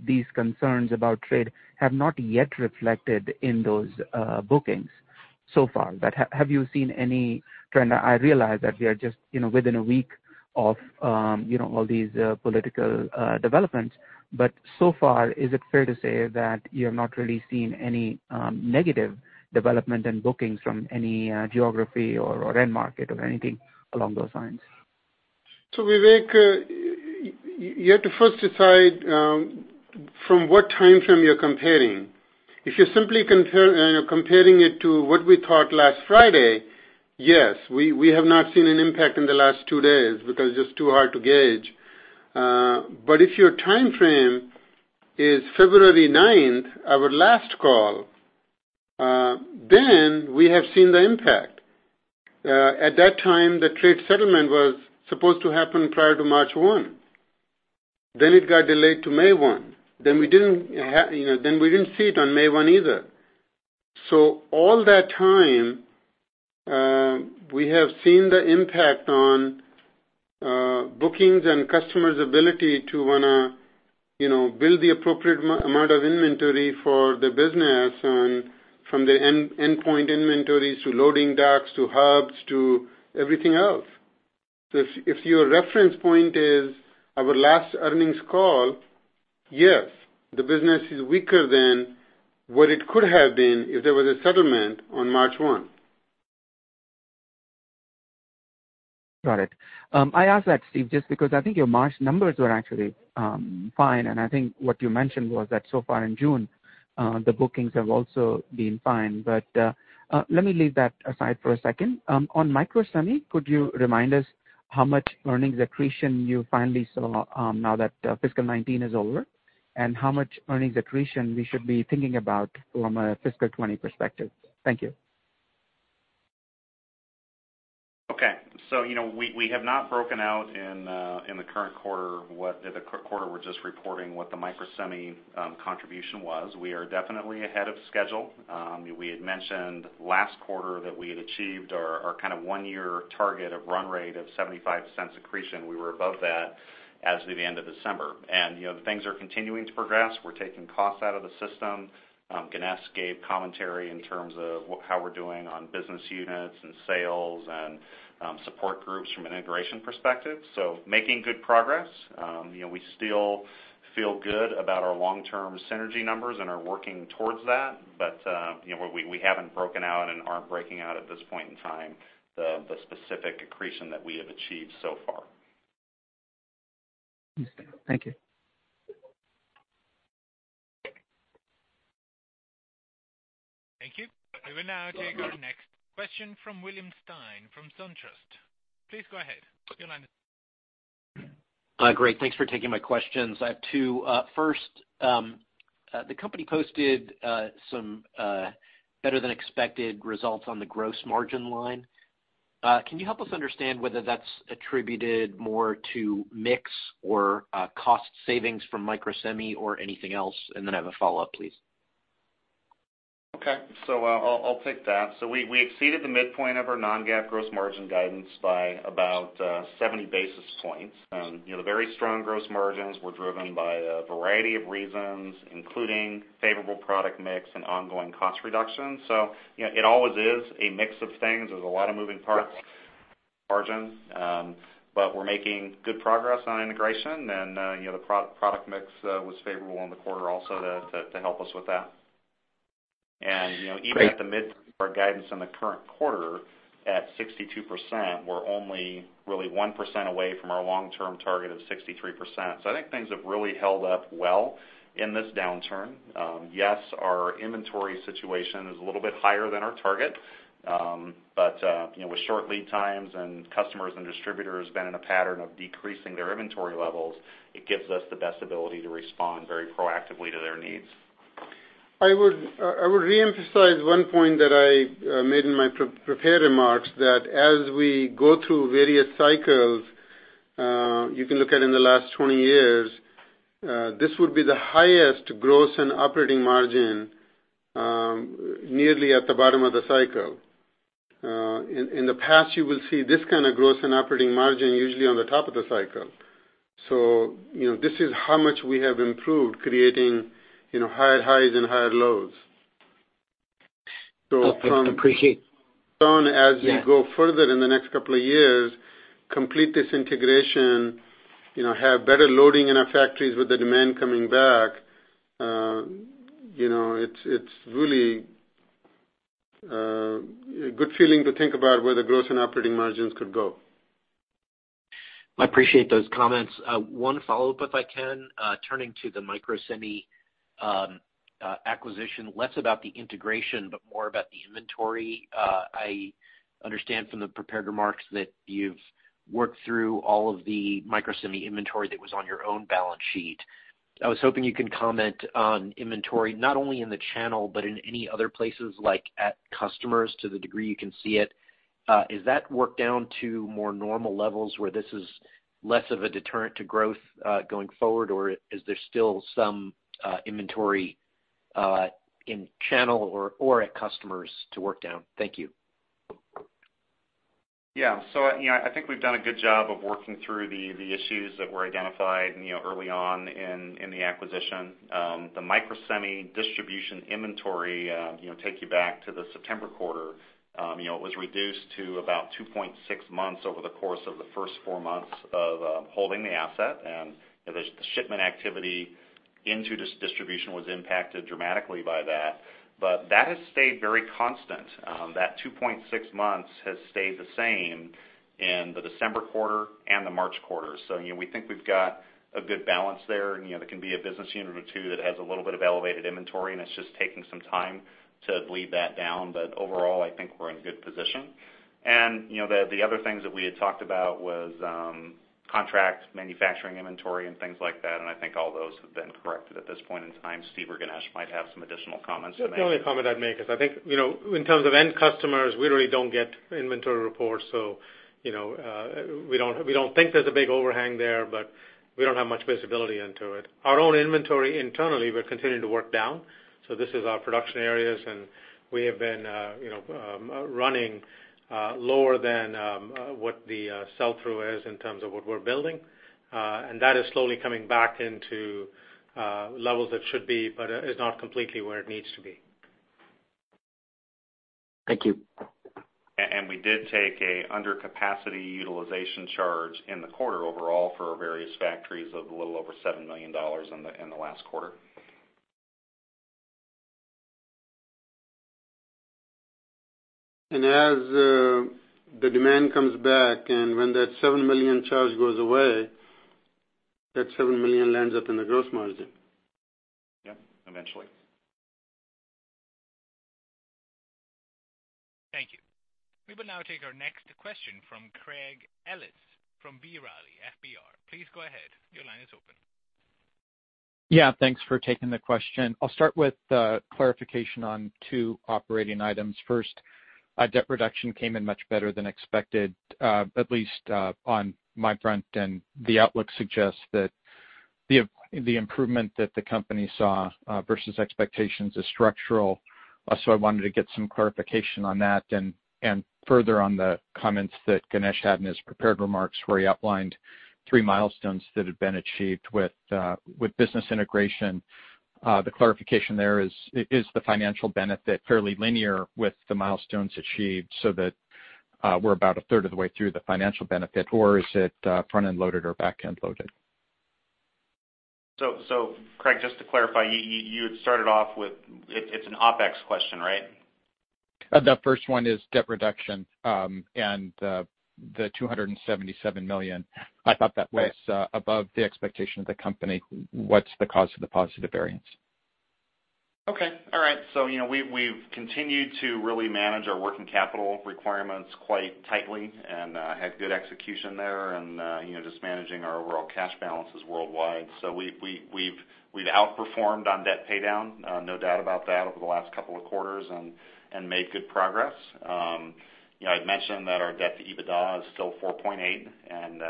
these concerns about trade have not yet reflected in those bookings so far? Have you seen any trend? I realize that we are just within a week of all these political developments. So far, is it fair to say that you have not really seen any negative development in bookings from any geography or end market or anything along those lines? Vivek, you have to first decide from what time frame you're comparing. If you're simply comparing it to what we talked last Friday, yes, we have not seen an impact in the last two days because it's just too hard to gauge. But if your time frame is February 9th, our last call, we have seen the impact. At that time, the trade settlement was supposed to happen prior to March 1. It got delayed to May 1. We didn't see it on May 1 either. All that time, we have seen the impact on bookings and customers' ability to want to build the appropriate amount of inventory for the business from the endpoint inventories to loading docks to hubs to everything else. If your reference point is our last earnings call, yes, the business is weaker than what it could have been if there was a settlement on March 1. Got it. I asked that, Steve, just because I think your March numbers were actually fine, and I think what you mentioned was that so far in June, the bookings have also been fine. Let me leave that aside for a second. On Microsemi, could you remind us how much earnings accretion you finally saw now that fiscal 2019 is over, and how much earnings accretion we should be thinking about from a fiscal 2020 perspective? Thank you. Okay. We have not broken out in the current quarter, we're just reporting what the Microsemi contribution was. We are definitely ahead of schedule. We had mentioned last quarter that we had achieved our kind of one-year target of run rate of $0.75 accretion. We were above that as of the end of December. Things are continuing to progress. We're taking costs out of the system. Ganesh gave commentary in terms of how we're doing on business units and sales and support groups from an integration perspective. Making good progress. We still feel good about our long-term synergy numbers and are working towards that. We haven't broken out and aren't breaking out at this point in time the specific accretion that we have achieved so far. Understood. Thank you. Thank you. We will now take our next question from William Stein from SunTrust. Please go ahead. Your line is- Great. Thanks for taking my questions. I have two. First, the company posted some better than expected results on the gross margin line. Can you help us understand whether that's attributed more to mix or cost savings from Microsemi or anything else? Then I have a follow-up, please. Okay. I'll take that. We exceeded the midpoint of our non-GAAP gross margin guidance by about 70 basis points. The very strong gross margins were driven by a variety of reasons, including favorable product mix and ongoing cost reduction. It always is a mix of things. There's a lot of moving parts margin. We're making good progress on integration and the product mix was favorable in the quarter also to help us with that. Even at the mid of our guidance in the current quarter at 62%, we're only really 1% away from our long-term target of 63%. I think things have really held up well in this downturn. Yes, our inventory situation is a little bit higher than our target. With short lead times and customers and distributors been in a pattern of decreasing their inventory levels, it gives us the best ability to respond very proactively to their needs. I would reemphasize one point that I made in my prepared remarks, that as we go through various cycles, you can look at in the last 20 years, this would be the highest gross and operating margin nearly at the bottom of the cycle. In the past, you will see this kind of gross and operating margin usually on the top of the cycle. This is how much we have improved creating higher highs and higher lows. Perfect. Appreciate. As we go further in the next couple of years, complete this integration, have better loading in our factories with the demand coming back, it's really a good feeling to think about where the gross and operating margins could go. I appreciate those comments. One follow-up, if I can, turning to the Microsemi acquisition, less about the integration, but more about the inventory. I understand from the prepared remarks that you've worked through all of the Microsemi inventory that was on your own balance sheet. I was hoping you could comment on inventory, not only in the channel, but in any other places like at customers to the degree you can see it. Has that worked down to more normal levels where this is less of a deterrent to growth, going forward? Or is there still some inventory in channel or at customers to work down? Thank you. Yeah. I think we've done a good job of working through the issues that were identified early on in the acquisition. The Microsemi distribution inventory, take you back to the September quarter. It was reduced to about 2.6 months over the course of the first four months of holding the asset. The shipment activity into distribution was impacted dramatically by that. That has stayed very constant. That 2.6 months has stayed the same in the December quarter and the March quarter. We think we've got a good balance there. There can be a business unit or two that has a little bit of elevated inventory, and it's just taking some time to bleed that down. Overall, I think we're in a good position. The other things that we had talked about was contract manufacturing inventory and things like that. I think all those have been corrected at this point in time. Steve or Ganesh might have some additional comments to make. The only comment I'd make is, I think, in terms of end customers, we really don't get inventory reports. We don't think there's a big overhang there, but we don't have much visibility into it. Our own inventory internally, we're continuing to work down. This is our production areas, and we have been running lower than what the sell-through is in terms of what we're building. That is slowly coming back into levels that should be, but is not completely where it needs to be. Thank you. We did take a under capacity utilization charge in the quarter overall for various factories of a little over $7 million in the last quarter. As the demand comes back and when that $7 million charge goes away, that $7 million lands up in the gross margin. Yep, eventually. Thank you. We will now take our next question from Craig Ellis from B. Riley FBR. Please go ahead. Your line is open. Yeah, thanks for taking the question. I'll start with clarification on two operating items. First, debt reduction came in much better than expected, at least on my front, and the outlook suggests that the improvement that the company saw versus expectations is structural. I wanted to get some clarification on that and further on the comments that Ganesh had in his prepared remarks where he outlined three milestones that had been achieved with business integration. The clarification there is the financial benefit fairly linear with the milestones achieved so that we're about a third of the way through the financial benefit or is it front-end loaded or back-end loaded? Craig, just to clarify, you had started off with it's an OpEx question, right? The first one is debt reduction, and the $277 million. I thought that was above the expectation of the company. What's the cause of the positive variance? Okay. All right. We've continued to really manage our working capital requirements quite tightly and had good execution there and just managing our overall cash balances worldwide. We've outperformed on debt paydown, no doubt about that, over the last 2 quarters and made good progress. I'd mentioned that our debt to EBITDA is still 4.8, and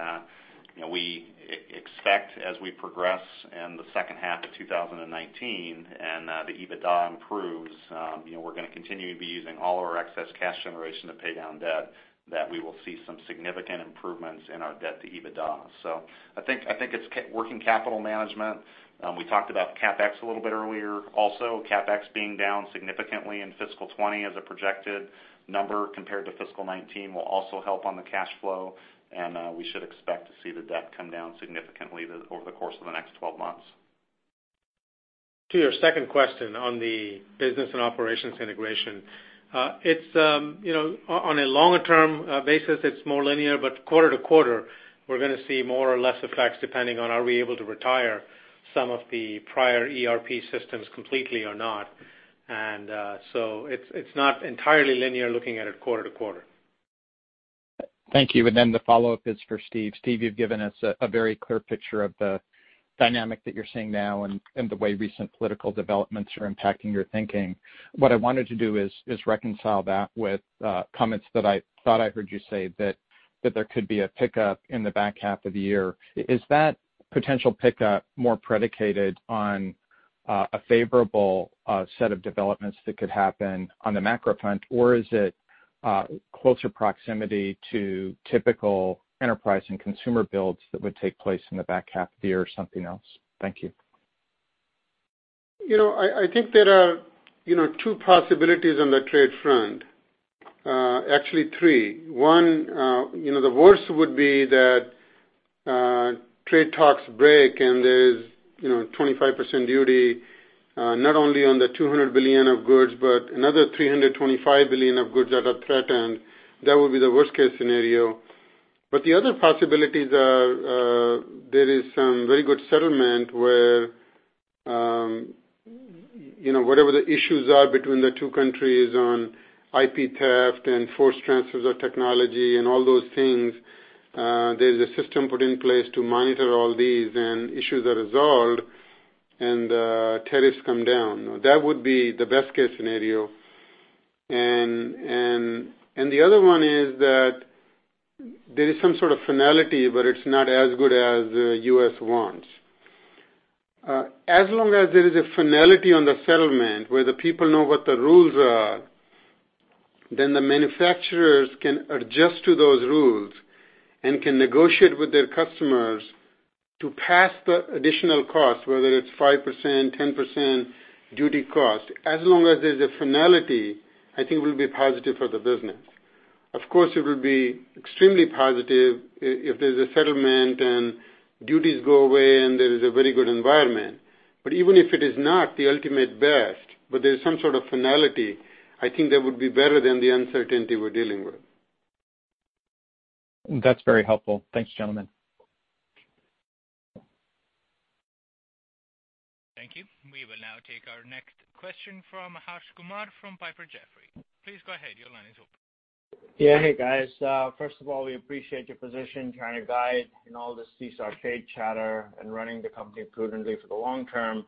we expect as we progress in the second half of 2019 and the EBITDA improves, we're going to continue to be using all of our excess cash generation to pay down debt, that we will see some significant improvements in our debt to EBITDA. I think it's working capital management. We talked about CapEx a little bit earlier also. CapEx being down significantly in fiscal 2020 as a projected number compared to fiscal 2019 will also help on the cash flow, and we should expect to see the debt come down significantly over the course of the next 12 months. To your second question on the business and operations integration. On a longer-term basis, it's more linear, but quarter to quarter, we're going to see more or less effects depending on are we able to retire some of the prior ERP systems completely or not. It's not entirely linear looking at it quarter to quarter. Thank you. The follow-up is for Steve. Steve, you've given us a very clear picture of the dynamic that you're seeing now and the way recent political developments are impacting your thinking. What I wanted to do is reconcile that with comments that I thought I heard you say that there could be a pickup in the back half of the year. Is that potential pickup more predicated on a favorable set of developments that could happen on the macro front, or is it closer proximity to typical enterprise and consumer builds that would take place in the back half of the year or something else? Thank you. I think there are two possibilities on the trade front. Actually three. One, the worst would be that trade talks break and there's 25% duty not only on the $200 billion of goods but another $325 billion of goods that are threatened. That would be the worst-case scenario. The other possibilities are there is some very good settlement where whatever the issues are between the two countries on IP theft and forced transfers of technology and all those things, there's a system put in place to monitor all these, and issues are resolved and tariffs come down. That would be the best-case scenario. The other one is that there is some sort of finality, but it's not as good as the U.S. wants. As long as there is a finality on the settlement where the people know what the rules are, the manufacturers can adjust to those rules and can negotiate with their customers to pass the additional cost, whether it's 5%, 10% duty cost. As long as there's a finality, I think we'll be positive for the business. Of course, it would be extremely positive if there's a settlement and duties go away and there is a very good environment. Even if it is not the ultimate best, but there's some sort of finality, I think that would be better than the uncertainty we're dealing with. That's very helpful. Thanks, gentlemen. Thank you. We will now take our next question from Harsh Kumar from Piper Jaffray. Please go ahead. Your line is open. Hey, guys. First of all, we appreciate your position trying to guide in all this CSR trade chatter and running the company prudently for the long term.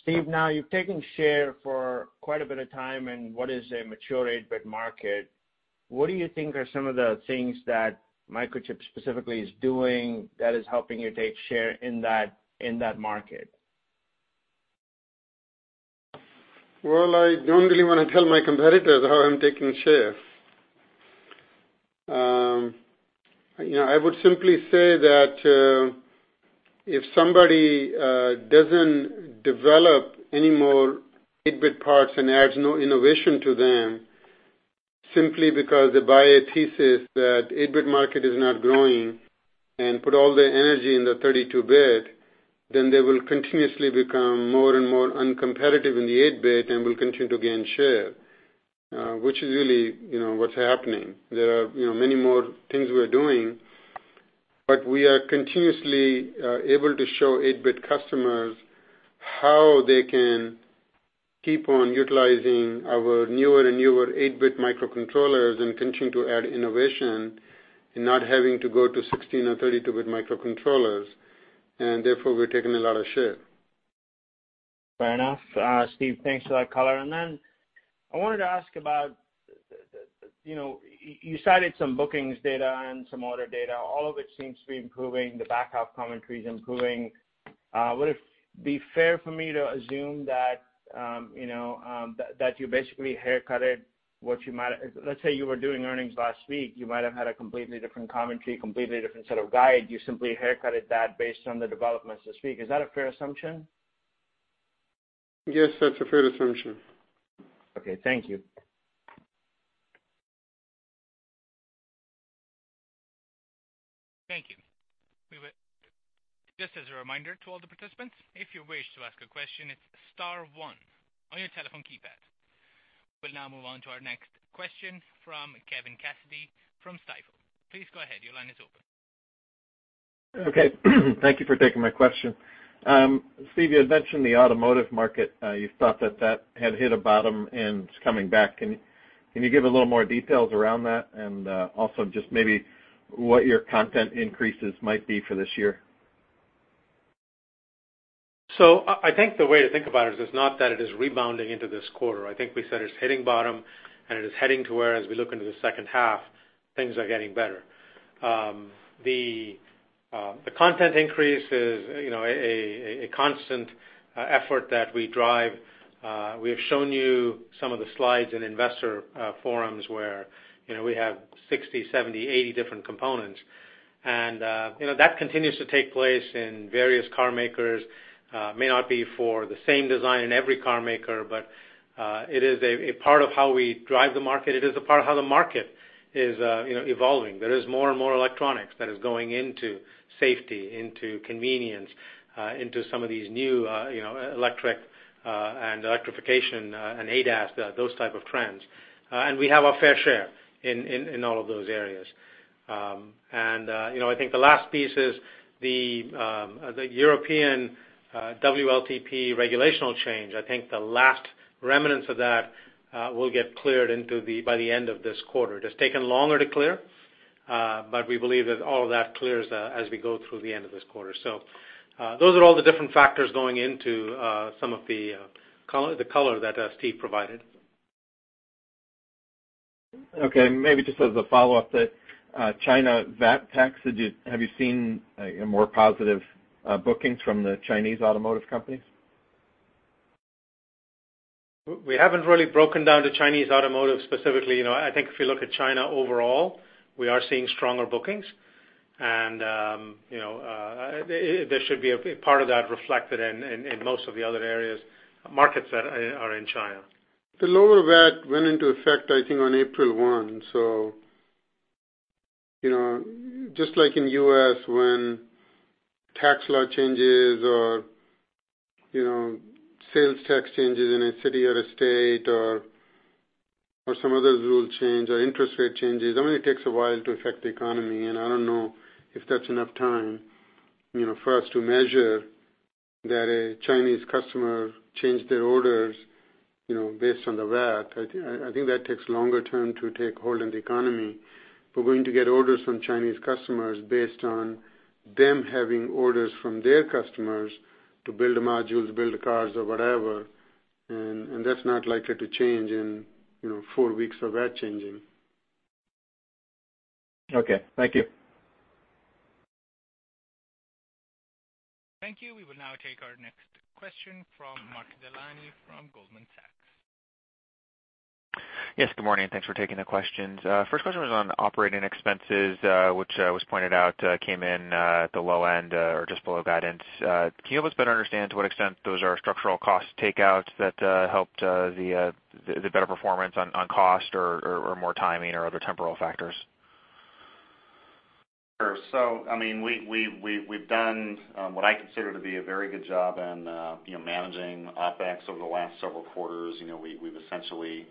Steve, now you've taken share for quite a bit of time in what is a mature 8-bit market. What do you think are some of the things that Microchip specifically is doing that is helping you take share in that market? I don't really want to tell my competitors how I'm taking share. I would simply say that if somebody doesn't develop any more 8-bit parts and adds no innovation to them simply because they buy a thesis that 8-bit market is not growing and put all the energy in the 32-bit, they will continuously become more and more uncompetitive in the 8-bit and will continue to gain share, which is really what's happening. There are many more things we are doing, we are continuously able to show 8-bit customers how they can keep on utilizing our newer and newer 8-bit microcontrollers and continue to add innovation and not having to go to 16 and 32-bit microcontrollers. Therefore, we're taking a lot of share. Fair enough. Steve, thanks for that color. I wanted to ask about, you cited some bookings data and some order data, all of it seems to be improving, the back half commentary is improving. Would it be fair for me to assume that you basically haircutted what you might, Let's say you were doing earnings last week, you might have had a completely different commentary, completely different set of guide. You simply haircutted that based on the developments this week. Is that a fair assumption? Yes, that's a fair assumption. Okay, thank you. Thank you. Just as a reminder to all the participants, if you wish to ask a question, it's star one on your telephone keypad. We'll now move on to our next question from Kevin Cassidy from Stifel. Please go ahead. Your line is open. Okay. Thank you for taking my question. Steve, you had mentioned the automotive market, you thought that that had hit a bottom and it's coming back. Can you give a little more details around that and also just maybe what your content increases might be for this year? I think the way to think about it is not that it is rebounding into this quarter. I think we said it's hitting bottom, and it is heading to where as we look into the second half, things are getting better. The content increase is a constant effort that we drive. We have shown you some of the slides in investor forums where we have 60, 70, 80 different components. That continues to take place in various car makers. May not be for the same design in every car maker, but it is a part of how we drive the market. It is a part of how the market is evolving. There is more and more electronics that is going into safety, into convenience, into some of these new electric, and electrification, and ADAS, those type of trends. We have our fair share in all of those areas. I think the last piece is the European WLTP regulational change. I think the last remnants of that will get cleared by the end of this quarter. It has taken longer to clear, but we believe that all of that clears as we go through the end of this quarter. Those are all the different factors going into some of the color that Steve provided. Okay, maybe just as a follow-up, the China VAT tax, have you seen more positive bookings from the Chinese automotive companies? We haven't really broken down to Chinese automotive specifically. I think if you look at China overall, we are seeing stronger bookings, and there should be a part of that reflected in most of the other areas, markets that are in China. The lower VAT went into effect, I think, on April 1. Just like in U.S., when tax law changes or sales tax changes in a city or a state or some other rule change or interest rate changes, I mean, it takes a while to affect the economy, and I don't know if that's enough time for us to measure that a Chinese customer changed their orders based on the VAT. I think that takes longer term to take hold in the economy. We're going to get orders from Chinese customers based on them having orders from their customers to build modules, build cars or whatever, and that's not likely to change in four weeks of VAT changing. Okay. Thank you. Thank you. We will now take our next question from Mark Delaney from Goldman Sachs. Yes, good morning, thanks for taking the questions. First question was on operating expenses, which was pointed out, came in at the low end or just below guidance. Can you help us better understand to what extent those are structural cost takeouts that helped the better performance on cost or more timing or other temporal factors? Sure. We've done what I consider to be a very good job in managing OpEx over the last several quarters. We've essentially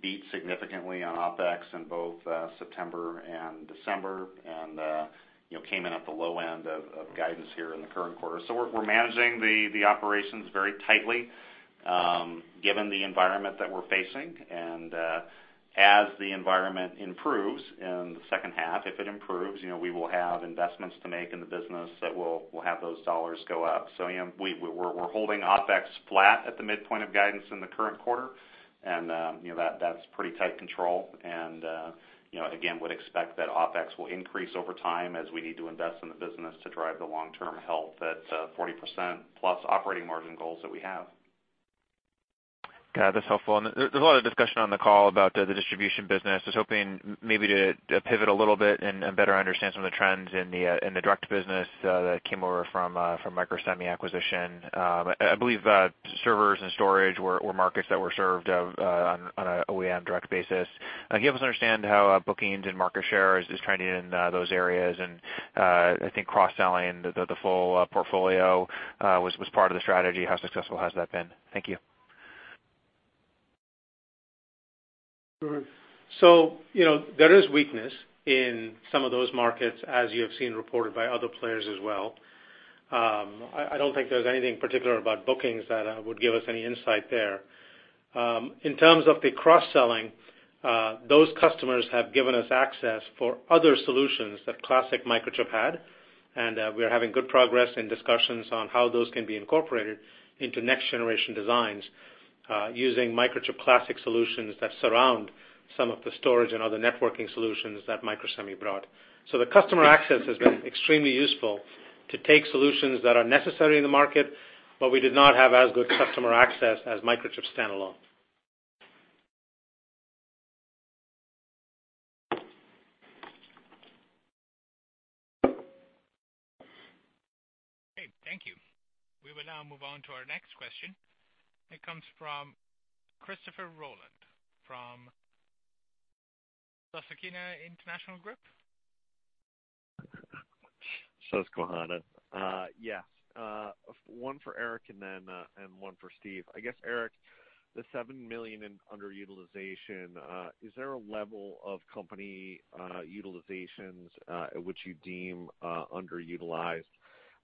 beat significantly on OpEx in both September and December, came in at the low end of guidance here in the current quarter. We're managing the operations very tightly given the environment that we're facing. As the environment improves in the second half, if it improves, we will have investments to make in the business that we'll have those dollars go up. We're holding OpEx flat at the midpoint of guidance in the current quarter, and that's pretty tight control and, again, would expect that OpEx will increase over time as we need to invest in the business to drive the long-term health, that 40%+ operating margin goals that we have. Got it. That's helpful. There's a lot of discussion on the call about the distribution business. I was hoping maybe to pivot a little bit and better understand some of the trends in the direct business that came over from Microsemi acquisition. I believe that servers and storage were markets that were served on an OEM direct basis. Can you help us understand how bookings and market shares is trending in those areas? I think cross-selling the full portfolio was part of the strategy. How successful has that been? Thank you. Sure. There is weakness in some of those markets, as you have seen reported by other players as well. I don't think there's anything particular about bookings that would give us any insight there. In terms of the cross-selling, those customers have given us access for other solutions that Classic Microchip had, and we are having good progress and discussions on how those can be incorporated into next-generation designs using Microchip classic solutions that surround some of the storage and other networking solutions that Microsemi brought. The customer access has been extremely useful to take solutions that are necessary in the market, but we did not have as good customer access as Microchip standalone. Okay, thank you. We will now move on to our next question. It comes from Christopher Rolland from Susquehanna International Group. Susquehanna. Yeah. One for Eric and one for Steve. I guess, Eric, the $7 million in underutilization, is there a level of company utilizations which you deem underutilized?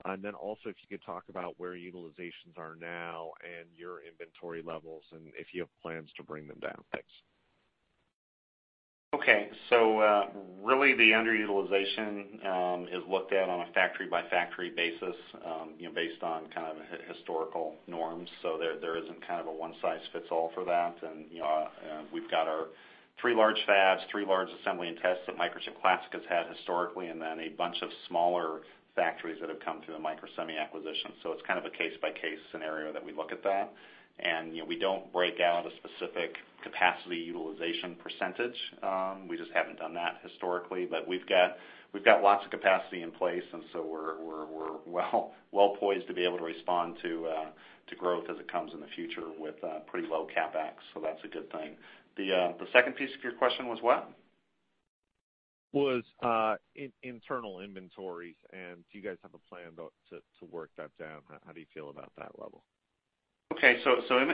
Also, if you could talk about where utilizations are now and your inventory levels, and if you have plans to bring them down. Thanks. Really the underutilization is looked at on a factory-by-factory basis based on historical norms. There isn't a one-size-fits-all for that. We've got our three large fabs, three large assembly and tests that Classic Microchip has had historically, and then a bunch of smaller factories that have come through the Microsemi acquisition. It's kind of a case-by-case scenario that we look at that. We don't break out a specific capacity utilization percentage. We just haven't done that historically. We've got lots of capacity in place, and so we're well-poised to be able to respond to growth as it comes in the future with pretty low CapEx. That's a good thing. The second piece of your question was what? Was internal inventories, do you guys have a plan to work that down? How do you feel about that level?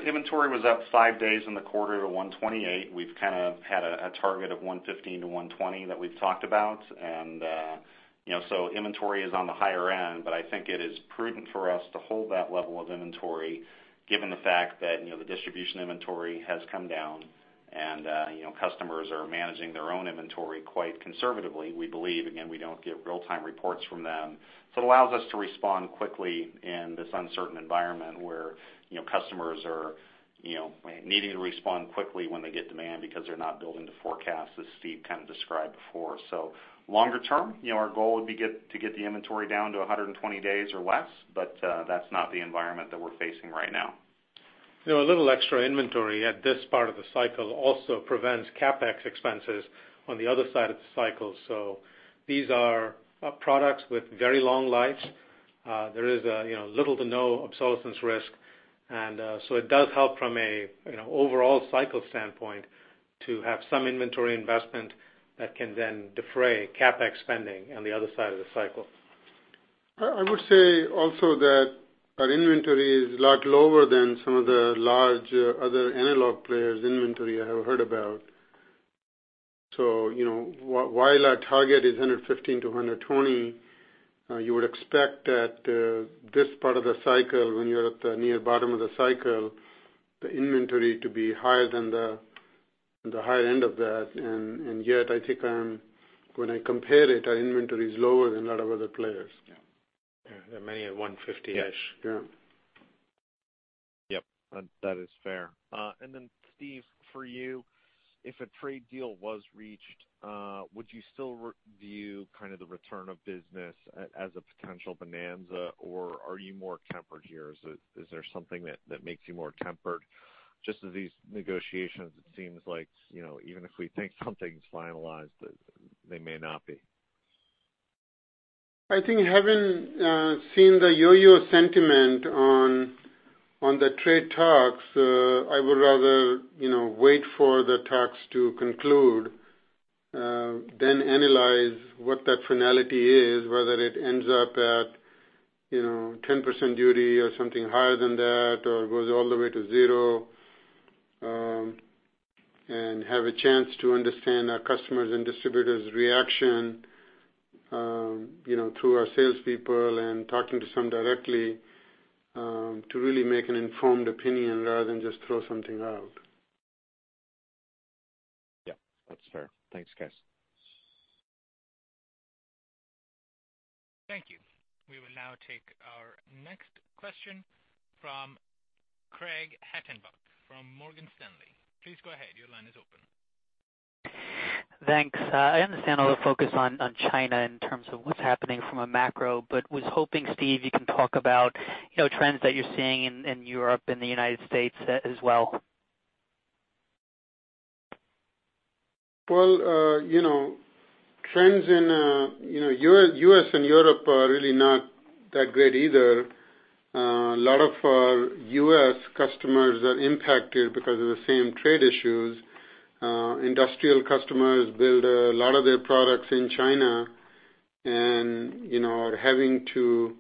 Inventory was up five days in the quarter to 128. We've kind of had a target of 115 to 120 that we've talked about. Inventory is on the higher end, but I think it is prudent for us to hold that level of inventory given the fact that the distribution inventory has come down and customers are managing their own inventory quite conservatively, we believe. Again, we don't get real-time reports from them. It allows us to respond quickly in this uncertain environment where customers are needing to respond quickly when they get demand because they're not building to forecast, as Steve kind of described before. Longer term, our goal would be to get the inventory down to 120 days or less, but that's not the environment that we're facing right now. A little extra inventory at this part of the cycle also prevents CapEx expenses on the other side of the cycle. These are products with very long lives. There is little to no obsolescence risk. It does help from a overall cycle standpoint to have some inventory investment that can then defray CapEx spending on the other side of the cycle. I would say also that our inventory is a lot lower than some of the large other analog players' inventory I have heard about. While our target is 115-120, you would expect that this part of the cycle, when you're at the near bottom of the cycle, the inventory to be higher than the higher end of that. Yet I think when I compare it, our inventory is lower than a lot of other players. Yeah. Many are 150-ish. Yeah. Yep. That is fair. Then Steve, for you, if a trade deal was reached, would you still view kind of the return of business as a potential bonanza, or are you more tempered here? Is there something that makes you more tempered? Just as these negotiations, it seems like even if we think something's finalized, they may not be. I think having seen the yo-yo sentiment on the trade talks, I would rather wait for the talks to conclude, then analyze what that finality is, whether it ends up at 10% duty or something higher than that, or it goes all the way to zero, have a chance to understand our customers' and distributors' reaction, through our salespeople and talking to some directly, to really make an informed opinion rather than just throw something out. Yeah, that's fair. Thanks, guys. Thank you. We will now take our next question from Craig Hettenbach from Morgan Stanley. Please go ahead. Your line is open. Thanks. I understand all the focus on China in terms of what's happening from a macro. Was hoping, Steve, you can talk about trends that you're seeing in Europe and the United States as well. Well, trends in U.S. and Europe are really not that great either. A lot of our U.S. customers are impacted because of the same trade issues. Industrial customers build a lot of their products in China and are having to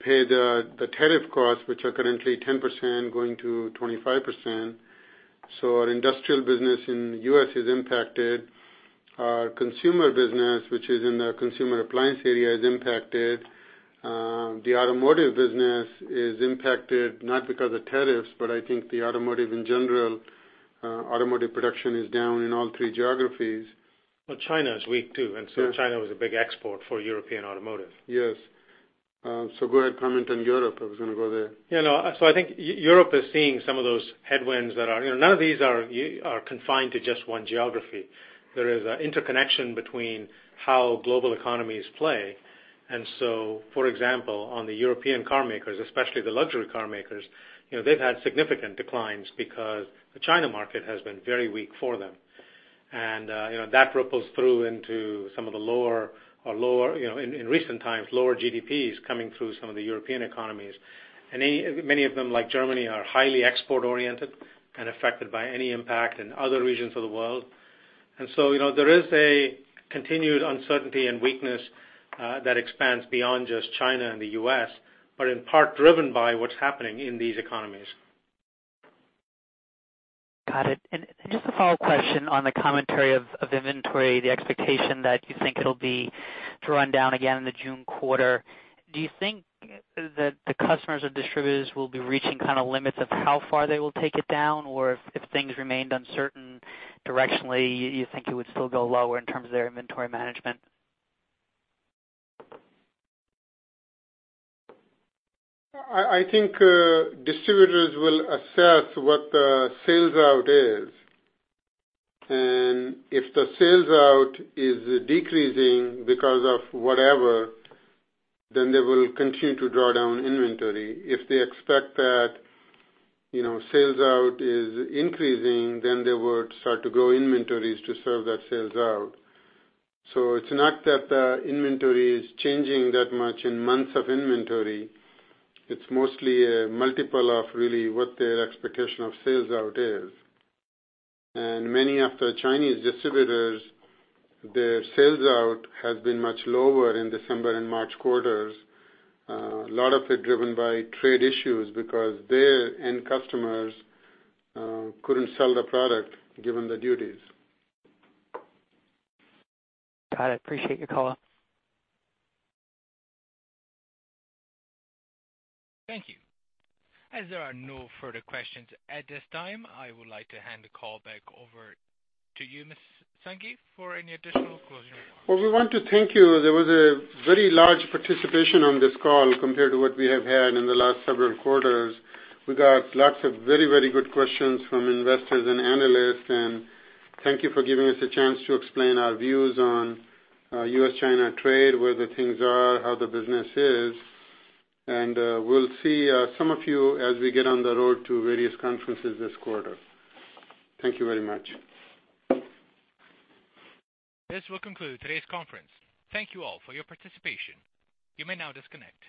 pay the tariff costs, which are currently 10% going to 25%. Our industrial business in the U.S. is impacted. Our consumer business, which is in the consumer appliance area, is impacted. The automotive business is impacted, not because of tariffs. I think the automotive in general, automotive production is down in all three geographies. Well, China is weak, too. Yes. China was a big export for European automotive. Yes. Go ahead, comment on Europe. I was going to go there. Yeah, no. I think Europe is seeing some of those headwinds that are. None of these are confined to just one geography. There is an interconnection between how global economies play. For example, on the European car makers, especially the luxury car makers, they've had significant declines because the China market has been very weak for them. That ripples through into some of the lower, in recent times, lower GDPs coming through some of the European economies. Many of them, like Germany, are highly export-oriented and affected by any impact in other regions of the world. There is a continued uncertainty and weakness that expands beyond just China and the U.S., but in part driven by what's happening in these economies. Got it. Just a follow-up question on the commentary of inventory, the expectation that you think it'll be drawn down again in the June quarter. Do you think that the customers or distributors will be reaching kind of limits of how far they will take it down? Or if things remained uncertain directionally, you think it would still go lower in terms of their inventory management? I think distributors will assess what the sales out is, if the sales out is decreasing because of whatever, they will continue to draw down inventory. If they expect that sales out is increasing, they would start to grow inventories to serve that sales out. It's not that the inventory is changing that much in months of inventory. It's mostly a multiple of really what their expectation of sales out is. Many of the Chinese distributors, their sales out has been much lower in December and March quarters. A lot of it driven by trade issues because their end customers couldn't sell the product given the duties. Got it. Appreciate your call. Thank you. As there are no further questions at this time, I would like to hand the call back over to you, Steve Sanghi, for any additional closing remarks. Well, we want to thank you. There was a very large participation on this call compared to what we have had in the last several quarters. We got lots of very, very good questions from investors and analysts, and thank you for giving us a chance to explain our views on US-China trade, where the things are, how the business is, and we'll see some of you as we get on the road to various conferences this quarter. Thank you very much. This will conclude today's conference. Thank you all for your participation. You may now disconnect.